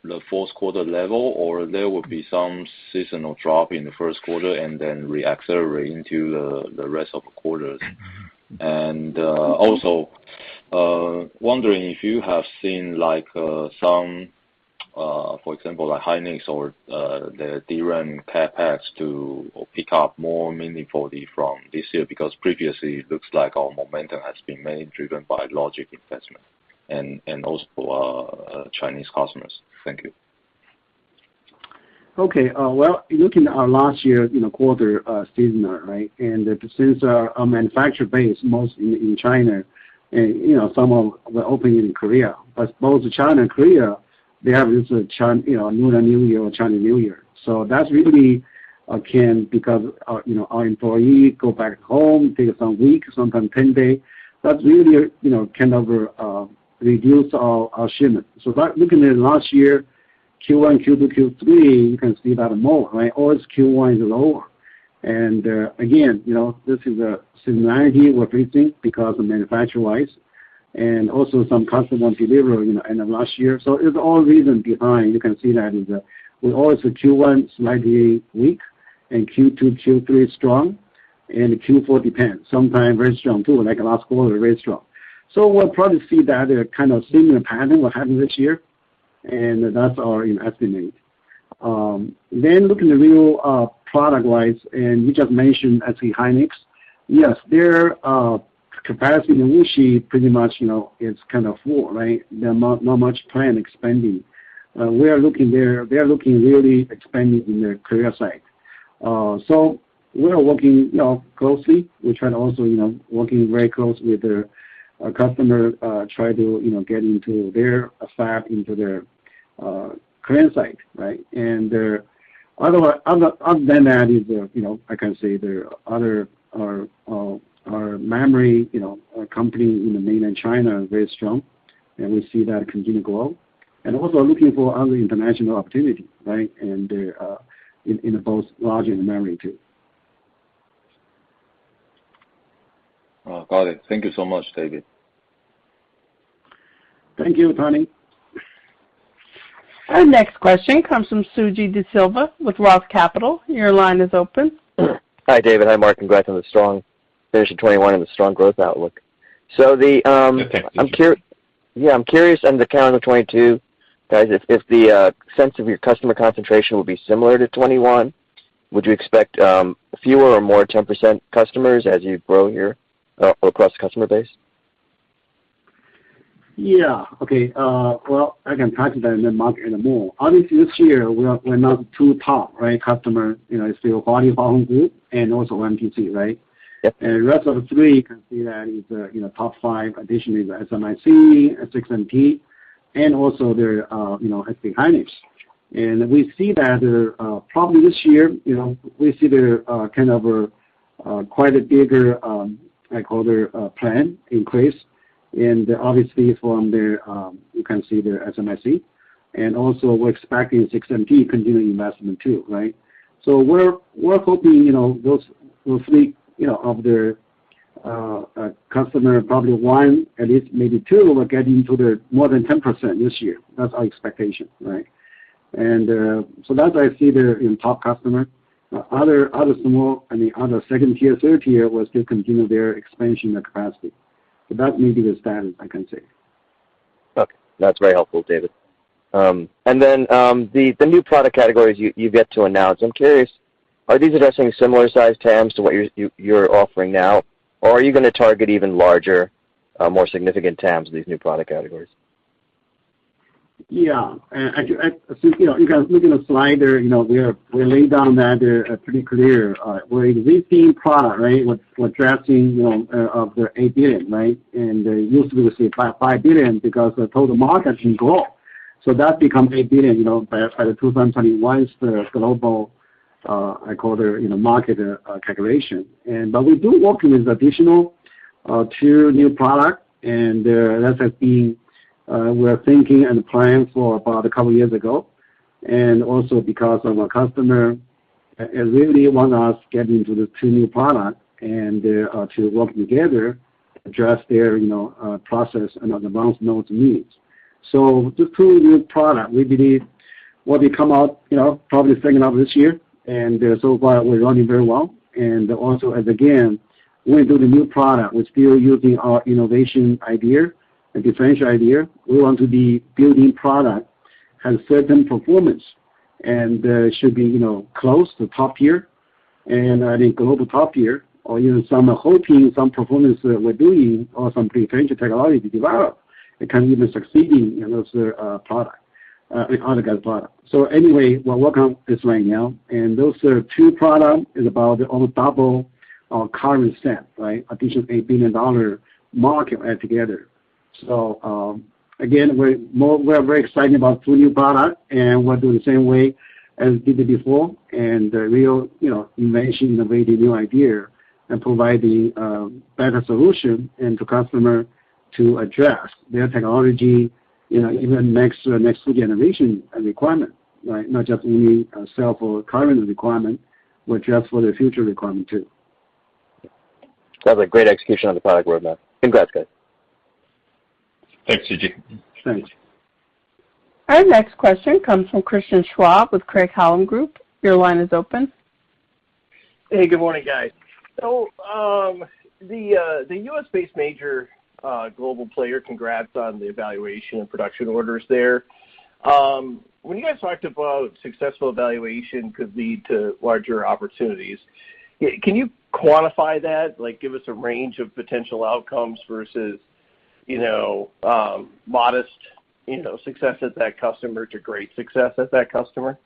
the fourth quarter level or their will be some seasonal drop in the first quarter and then reaccelerate into the rest of the quarters? Also wondering if you have seen like some, for example, like SK Hynix or their DRAM CapEx to pick up more meaningfully from this year, because previously it looks like our momentum has been mainly driven by logic investment and also our Chinese customers. Thank you. Well, looking at our last year quarter, seasonal, right? Since our manufacturing base mostly in China and, you know, some we're opening in Korea, but both China and Korea, they have this Lunar New Year or Chinese New Year. So that's really the cause because, you know, our employees go back home, take some weeks, sometimes 10 days. That's really, you know, kind of reduces our shipment. So, by looking at last year, Q1, Q2, Q3, you can see that more, right? Always Q1 is lower. Again, you know, this is a seasonality what we think because of manufacturer-wise and also some customer on delivery, you know, end of last year. So, it's all reason behind. You can see that it is with all its Q1 slightly weak and Q2, Q3 strong and Q4 depends. Sometimes very strong too, like last quarter, very strong. We'll probably see that kind of similar pattern what happened this year. That's our estimate. Looking at regional product-wise, and you just mentioned, SK Hynix. Yes, their capacity in Wuxi pretty much, you know, is kind of full, right? There is not much plan expanding. They are looking really expanding in the carrier side. We are working, you know, closely. We try to also, you know, working very close with our customer, try to, you know, get into their fab, into their current site, right? Other than that, you know, I can say our memory, you know, our company in Mainland China are very strong, and we see that continue to grow. We're also looking for other international opportunity, right? In both logic and memory too. Oh, got it. Thank you so much, David. Thank you, Donnie. Our next question comes from Suji Desilva with Roth Capital. Your line is open. Hi, David. Hi, Mark. Congrats on the strong finish in 2021 and the strong growth outlook. Yeah. Thank you. Yeah. I'm curious on the calendar 2022, guys, if the sense of your customer concentration will be similar to 2021, would you expect fewer or more 10% customers as you grow your across customer base? Well, I can talk to that in a moment. Obviously, this year we're not too hot, right? Customer, you know, is still Huawei, Hongfu, and also MPC, right? Yep. The rest of the three you can see that is, you know, top five. Additionally, the SMIC, SXMP, and also their, you know, SK Hynix. We see that, probably this year, you know, we see their, kind of a, quite a bigger, I call their, plan increase. And obviously from their, you can see their SMIC, and also we're expecting SXMP continuing investment too, right? We're hoping, you know, those three, you know, of their, customer, probably one at least maybe two will get into the more than 10% this year. That's our expectation, right? So that I see there in top customer. Other small, and the other second tier, third tier, will still continue their expansion and capacity. That may be the standard, I can say. Okay. That's very helpful, David. The new product categories you get to announce, I'm curious, are these addressing similar size TAMs to what you're offering now, or are you gonna target even larger, more significant TAMs with these new product categories? Yeah. Actually, as you know, you can look in the slide there. You know, we laid down that they're pretty clear. We're increasing product, right? We're drafting, you know, of the $8 billion, right? Used to be, say $5 billion because the total market can grow. That becomes $8 billion, you know, by 2021's global, I call them, you know, market, calculation. But we do work with additional, two new products, and that has been, we are thinking and planning for about a couple years ago. Also, because of our customer really want us getting into the two new product and to work together, address there, you know, process and advanced nodes need. The two new products, we believe will come out, you know, probably second half of this year. So far we're running very well. As again, we build a new product, we're still using our innovation idea and differentiate idea. We want to be building products, have certain performance and should be, you know, close to top tier and I think global top tier or even surpassing some performance that we're doing or some potential technology to develop. It can even succeed in those products, other guys' products. Anyway, we're working on this right now, and those two products are about almost double our current TAM, right? Additional $8 billion market together. Again, we're very excited about two new products, and we're doing the same way as we did it before. We'll, you know, imagine innovative new idea and provide the better solution to the customer to address their technology, you know, even next generation requirement, right? Not just we sell for current requirement, but just for the future requirement too. That's a great execution on the product roadmap. Congrats, guys. Thanks, Suji. Thanks. Our next question comes from Christian Schwab with Craig-Hallum Capital Group. Your line is open. Hey, good morning, guys. The U.S.-based major global player, congrats on the evaluation and production orders there. When you guys talked about that successful evaluation could lead to larger opportunities, can you quantify that? Like give us a range of potential outcomes versus, you know, modest, you know, success at that customer to great success at that customer.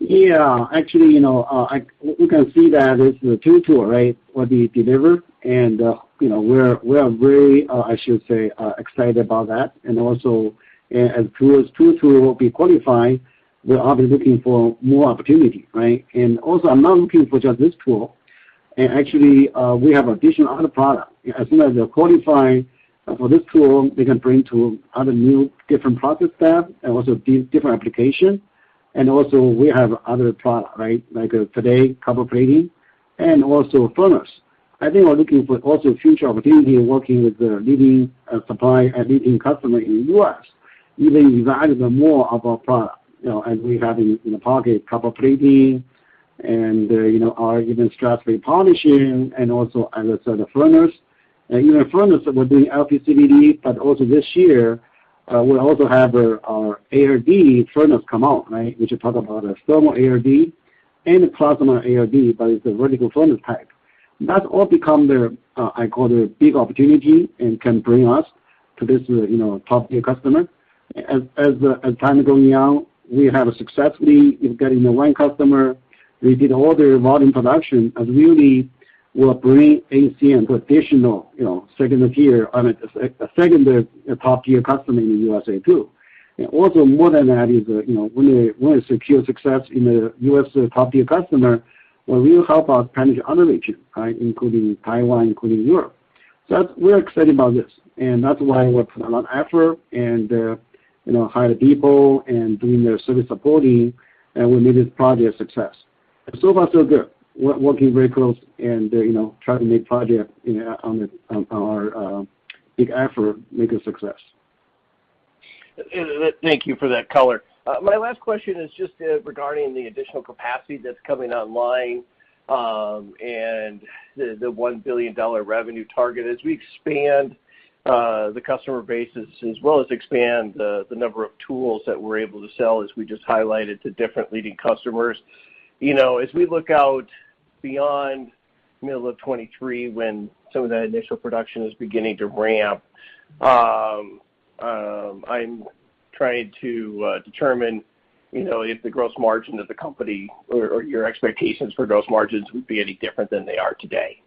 Yeah. Actually, you know, you can see that it's the Tool two, right, will be delivered and, you know, we are very, I should say, excited about that. As tools, Tool two will be qualified, we are looking for more opportunity, right? I'm not looking for just this tool. Actually, we have additional other product. As soon as they're qualifying for this tool, they can bring to other new different process fab and also this different application. We have other product, right? Like today, copper plating and also furnace. I think we're looking for also future opportunity working with the leading supplier and leading customer in U.S., even evaluate the more of our product, you know, as we have in the pocket copper plating and, you know, our even stress-free polishing and also as I said, the furnace. Even furnace, we're doing LPCVD, but also this year, we also have our ALD furnace come out, right, which you talk about a thermal ALD and a plasma ALD, but it's a vertical furnace type. That's all become there, I call it a big opportunity and can bring us to this, you know, top-tier customer. As time going on, we have successfully in getting the one customer, we did all the volume production and really will bring ACM to additional, you know, second tier a second top-tier customer in the U.S. too. Also more than that is, you know, when we secure success in the U.S. top-tier customer, will really help us penetrate other region, right? Including Taiwan, including Europe. That's why we're excited about this, and that's why we're put a lot effort and, you know, hire people and doing the service supporting, and we made this project a success. So far so good. We're working very close and, you know, trying to make project, you know, on our big effort, make a success. Thank you for that color. My last question is just regarding the additional capacity that's coming online and the $1 billion revenue target. As we expand the customer bases as well as expand the number of tools that we're able to sell as we just highlighted to different leading customers. You know, as we look out beyond middle of 2023 when some of that initial production is beginning to ramp, I'm trying to determine, you know, if the gross margin of the company or your expectations for gross margins would be any different than they are today.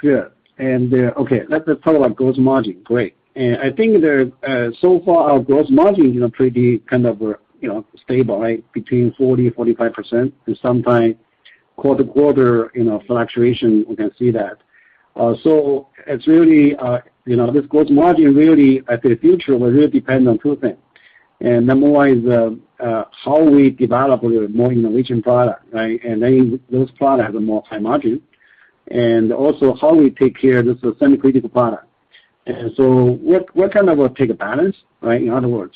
Yeah. Okay, let's just talk about gross margin. Great. I think the so far, our gross margin is pretty kind of, you know, stable, right? Between 40%-45%. Sometime quarter-to-quarter, you know, fluctuation, we can see that. It's really, you know, this gross margin really at the future will really depend on two things. Number one is how we develop more innovation product, right? Then those products have more high margin. Also, how we take care of this semi-critical product. We're kind of take a balance, right, in other words.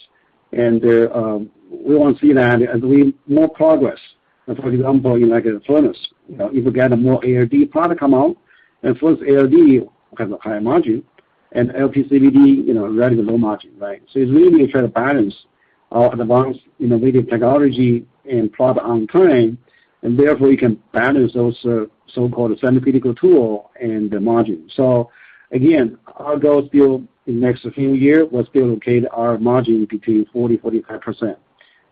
We want to see that as we more progress. For example, in, like, a furnace, you know, if we get a more ALD product come out, and furnace ALD has a higher margin, and LPCVD, you know, relatively low margin, right? It's really try to balance our advanced innovative technology and product on time, and therefore, we can balance those so-called semi-critical tool and the margin. Our goal still in next few years will still locate our margin between 40%-45%.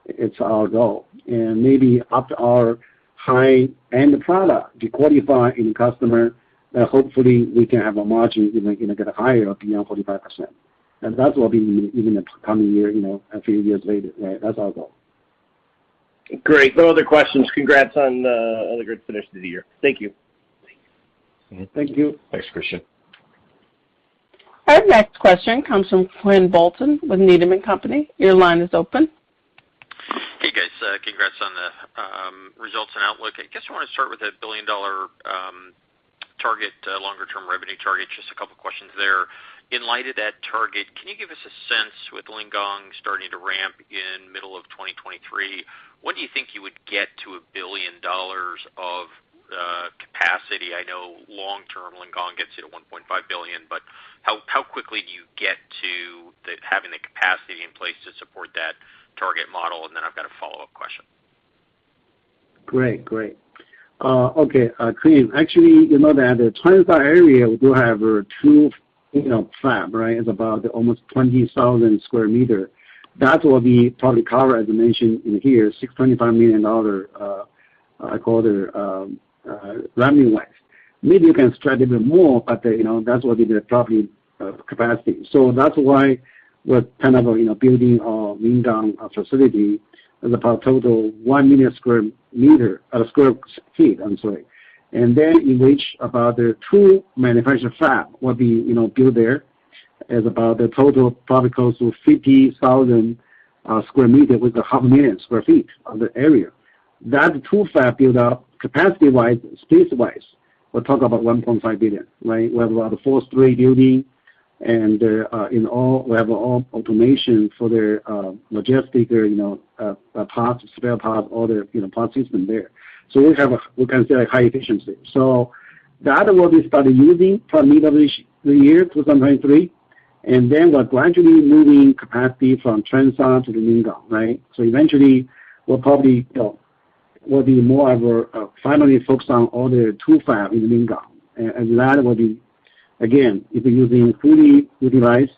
It's our goal. Maybe after our high-end product to qualify any customer, then hopefully we can have a margin, you know, get higher beyond 45%. That will be in the coming year, you know, a few years later, right? That's our goal. Great. No other questions. Congrats on the good finish to the year. Thank you. Thank you. Thanks, Christian. Our next question comes from Quinn Bolton with Needham and Company. Your line is open. Hey, guys. Congrats on the results and outlook. I guess I want to start with that billion-dollar target, longer-term revenue target. Just a couple questions there. In light of that target, can you give us a sense with Lingang starting to ramp in middle of 2023, when do you think you would get to $1 billion of capacity? I know long term, Lingang gets you to $1.5 billion, but how quickly do you get to having the capacity in place to support that target model? Then I've got a follow-up question. Quinn. Actually, you know that the Zhangjiang area, we do have a tool fab, right? It's about almost 20,000 sq m. That will probably cover, as I mentioned in here, $6.5 million. I call it a runway. Maybe you can stretch even more, but, you know, that's what is the probable capacity. That's why we're kind of, you know, building our Lingang facility, which is about a total of one million sq m, sq ft. I'm sorry. And then in which about the two-manufacturing fab will be, you know, built there. It's about a total probably close to 50,000 sq m with a 0.5 million sq ft of the area. Those two fab build out capacity-wise, space-wise, will talk about $1.5 billion, right? We have a lot of Fab three building and, in all, we have all automation for their SAPS tech, you know, parts, spare parts, all the, you know, part system there. So we have a, we can say high efficiency. So that will be started using from middle of this year, 2023, and then we're gradually moving capacity from Zhangjiang to the Lingang, right? So eventually, we'll probably, you know, we'll be more of a finally focused on all the two fab in Lingang. That will be, again, it'll be using fully utilized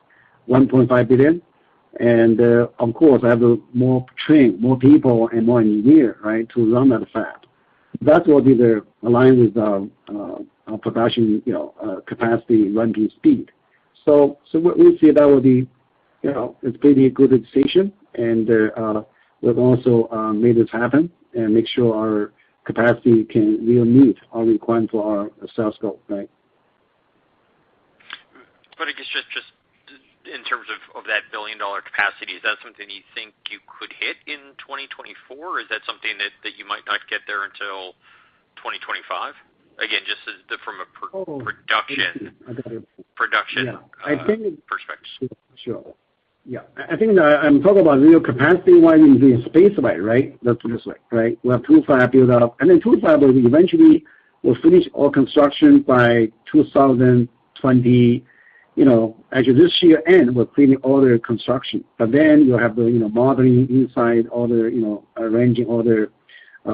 $1.5 billion. And, of course, have a more trained, more people and more engineer, right, to run that fab. That will be the alignment of, our production, you know, capacity running speed. We see that it will be, you know, it's a pretty good decision and we've also made this happen and make sure our capacity can really meet our requirement for our sales goal, right? I guess just in terms of that billion-dollar capacity, is that something you think you could hit in 2024? Or is that something that you might not get there until 2025? Again, just from a production perspective. Sure. Yeah. I think I'm talking about real capacity-wise and space-wise, right? Let's put it this way, right? We have two fab build out, and then two fab will be eventually. We'll finish all construction by 2020, you know, as of this year end, we're completing all the construction. But then you'll have the, you know, moving in all the, you know, arranging all the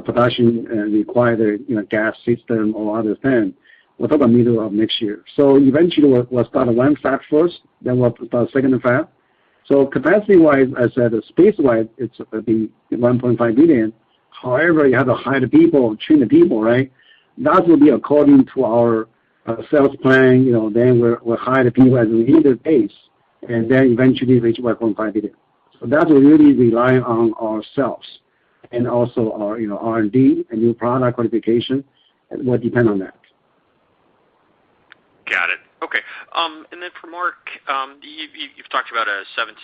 production and require the, you know, gas system or other thing. It'll take about middle of next year. So eventually we'll start one fab first, then we'll start second fab. So, capacity-wise, I said space-wise, it's $1.5 billion. However, you have to hire the people and train the people, right? That will be according to our sales plan, you know. We'll hire the people at the pace we need, and eventually reach $1.5 billion. That will really rely on ourselves and also our, you know, R&D and new product qualification will depend on that. Got it. Okay. And then for Mark, you've talked about a 17%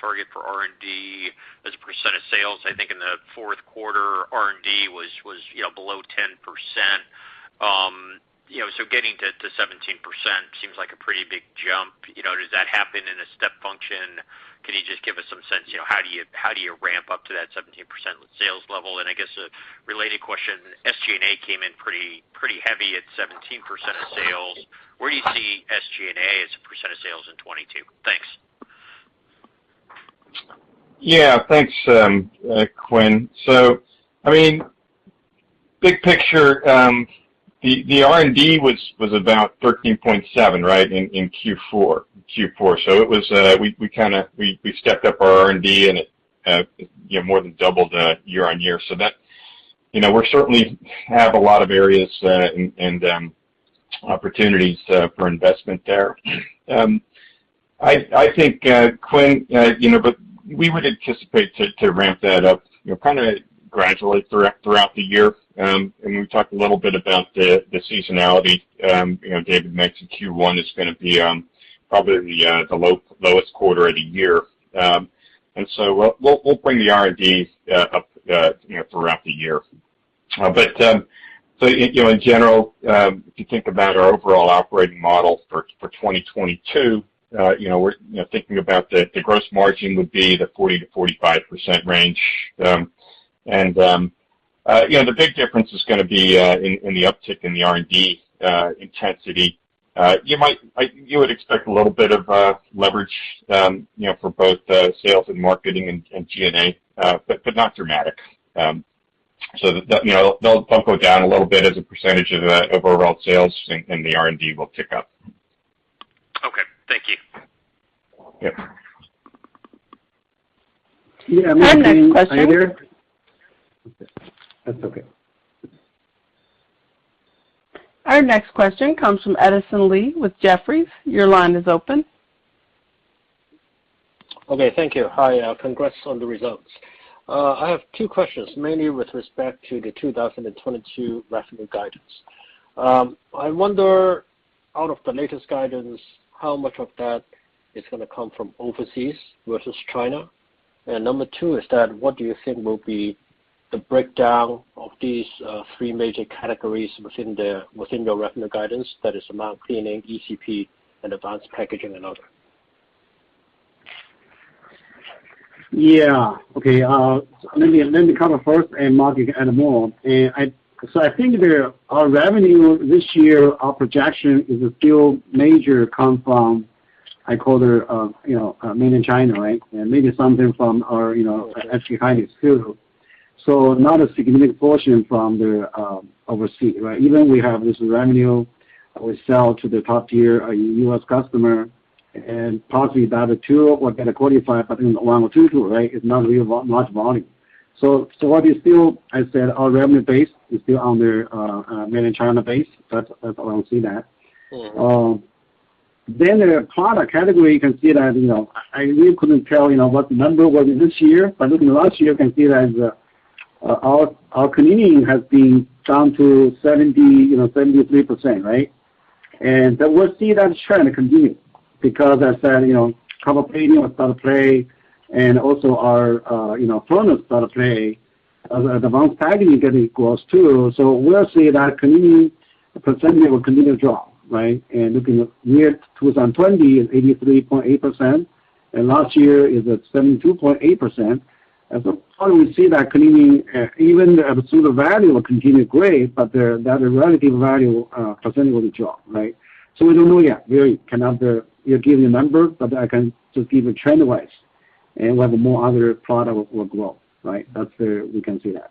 target for R&D as a percent of sales. I think in the fourth quarter, R&D was, you know, below 10%. You know, so getting to 17% seems like a pretty big jump. You know, does that happen in a step function? Can you just give us some sense, you know, how do you ramp up to that 17% sales level? And I guess a related question, SG&A came in pretty heavy at 17% of sales. Where do you see SG&A as a percent of sales in 2022? Thanks. Thanks, Quinn. I mean, big picture, the R&D was about $13.7, right, in Q4. We kinda stepped up our R&D and you know more than doubled year-over-year. That, you know, we're certainly have a lot of areas and opportunities for investment there. I think, Quinn, you know, but we would anticipate to ramp that up, you know, kinda gradually throughout the year. We've talked a little bit about the seasonality. You know, David mentioned Q1 is gonna be probably the lowest quarter of the year. We'll bring the R&D up, you know, throughout the year. In general, if you think about our overall operating model for 2022, you know, we're thinking about the gross margin would be the 40%-45% range. The big difference is gonna be in the uptick in the R&D intensity. You would expect a little bit of leverage, you know, for both sales and marketing and G&A, but not dramatic. They'll go down a little bit as a percentage of overall sales, and the R&D will pick up. Okay. Thank you. Yeah. Yeah. Our next question. Am I here? Okay. That's okay. Our next question comes from Edison Lee with Jefferies. Your line is open. Okay. Thank you. Hi. Congrats on the results. I have two questions, mainly with respect to the 2022 revenue guidance. I wonder, out of the latest guidance, how much of that is gonna come from overseas versus China? And number two is, what do you think will be the breakdown of these three major categories within your revenue guidance, that is, advanced cleaning, ECP, and advanced packaging and other? Yeah. Okay. Let me cover first and Mark can add more. I think that our revenue this year, our projection is still major comes from. I call it, you know, mainland China, right? Maybe something from our, you know, Singapore too. Not a significant portion from the overseas, right? Even we have this revenue, we sell to the top-tier U.S. customer and possibly about 2% or about a quarter of 5%, I think one or two tools, right? It's not really much volume. As I said, our revenue base is still mainland China base. That's why we see that. Mm-hmm. Then the product category, you can see that, you know, I really couldn't tell, you know, what the number was this year. By looking at last year, you can see that our cleaning has been down to 73%, right? We'll see that trend continue because as I said, you know, chemical planar start to play and also our, you know, furnace start to play. The advanced packaging getting close to. We'll see that cleaning percentage will continue to drop, right? Looking at year 2020 is 83.8%, and last year is at 72.8%. As a whole, we see that cleaning even the absolute value will continue to grow, but the relative value percentage will drop, right? We don't know yet. We cannot, you know, give you a number, but I can just give you trend-wise, and we have more other product will grow, right? That's where we can see that.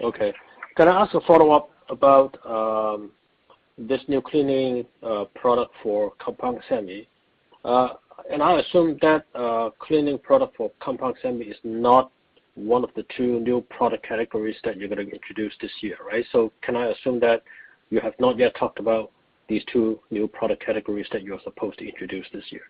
Okay. Can I ask a follow-up about this new cleaning product for compound semi? I assume that cleaning product for compound semi is not one of the two new product categories that you're gonna introduce this year, right? Can I assume that you have not yet talked about these two new product categories that you're supposed to introduce this year?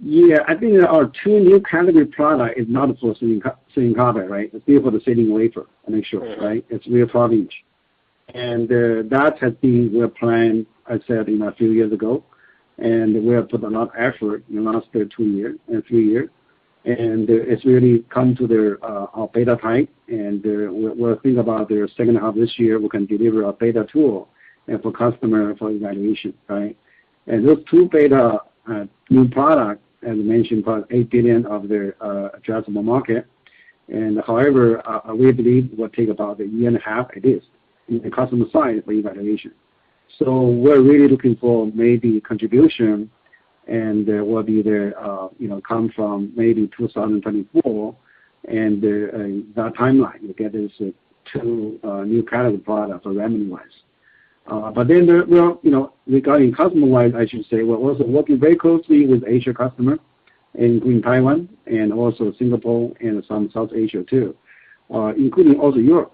Yeah. I think our two new category product is not for cleaning co-cleaning copper, right? It's still for the cleaning wafer, I make sure, right? Mm-hmm. It's three or four inches. That's been what we're planning. I said, you know, a few years ago. We have put a lot of effort in the last two-year, three years. It's really come to our beta time. We're thinking about the second half of this year, we can deliver our beta tool for customer for evaluation, right? Those two-beta new product, as I mentioned, about $8 billion of their addressable market. However, we believe it will take about a year and a half at least in the customer side for evaluation. We're really looking for maybe contribution, and it will be there, you know, come from maybe 2024, and that timeline, we get these two new categories products revenue-wise. You know, regarding customer wise, I should say, we're also working very closely with Asian customers, including Taiwan and also Singapore and some Southeast Asia too, including also Europe.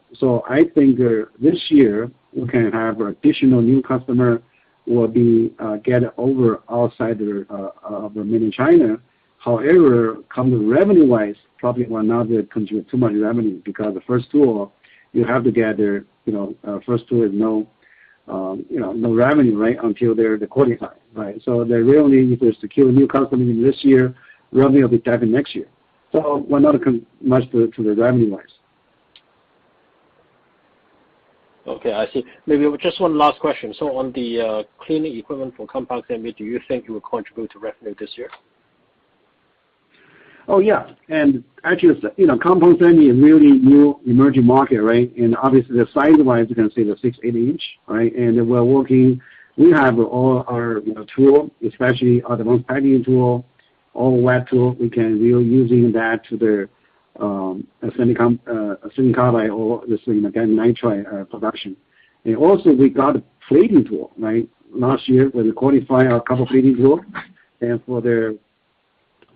I think there, this year, we can have additional new customers outside of the mainland China. However, coming revenue-wise, probably will not contribute too much revenue because the first tool you have to get there, you know, first tool is no revenue, right? Until they're qualified, right? There really, if we secure new customers this year, revenue will be driving next year. Will not contribute much to the revenue wise. Okay, I see. Maybe just one last question. On the cleaning equipment for compound semi, do you think you will contribute to revenue this year? Oh, yeah. Actually, as you know, compound semi is really new emerging market, right? Obviously, the size-wise, you can see the six inch, eight inch, right? We're working. We have all our, you know, tool, especially our advanced packaging tool, all wet tool. We're using that to the silicon carbide or nitride production. Also we got plating tool, right? Last year, we qualified our copper plating tool for the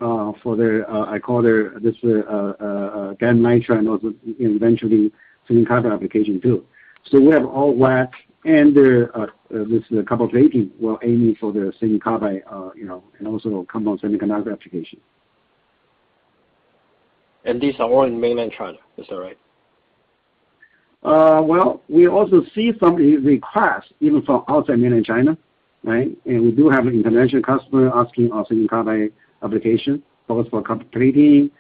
I call it a GaN nitride and also eventually silicon carbide application too. We have all wet and this is a copper plating. We're aiming for the silicon carbide, you know, and also compound semiconductor application. These are all in mainland China, is that right? Well, we also see some requests even from outside mainland China, right? We do have international customer asking our silicon carbide application, both for copper plating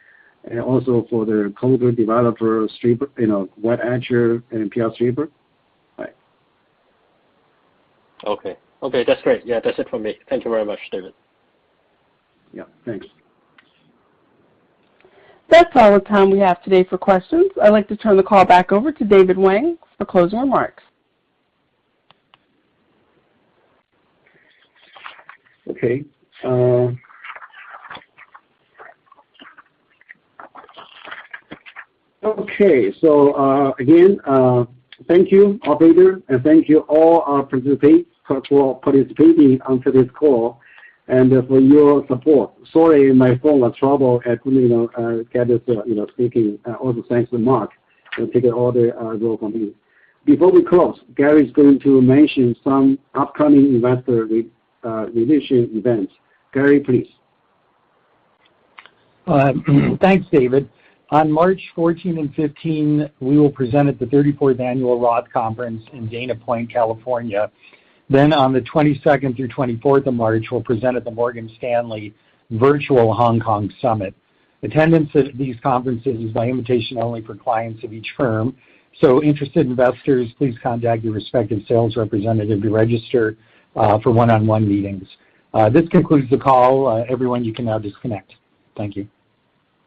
and also for their color developer strip, you know, wet etcher and PR stripper. Right. Okay, that's great. Yeah, that's it for me. Thank you very much, David. Yeah, thanks. That's all the time we have today for questions. I'd like to turn the call back over to David Wang for closing remarks. Okay, again, thank you, operator, and thank you all for participating on today's call and for your support. Sorry, my phone got trouble at, you know, get this, you know, speaking. Also, thanks to Mark for taking all the role from me. Before we close, Gary's going to mention some upcoming investor relation events. Gary, please. Thanks, David. On March 14 and 15, we will present at the 34th Annual ROTH Conference in Dana Point, California. Then on the March 22nd through 24th, we'll present at the Morgan Stanley Virtual Hong Kong Summit. Attendance at these conferences is by invitation only for clients of each firm. Interested investors, please contact your respective sales representative to register for one-on-one meetings. This concludes the call. Everyone, you can now disconnect. Thank you.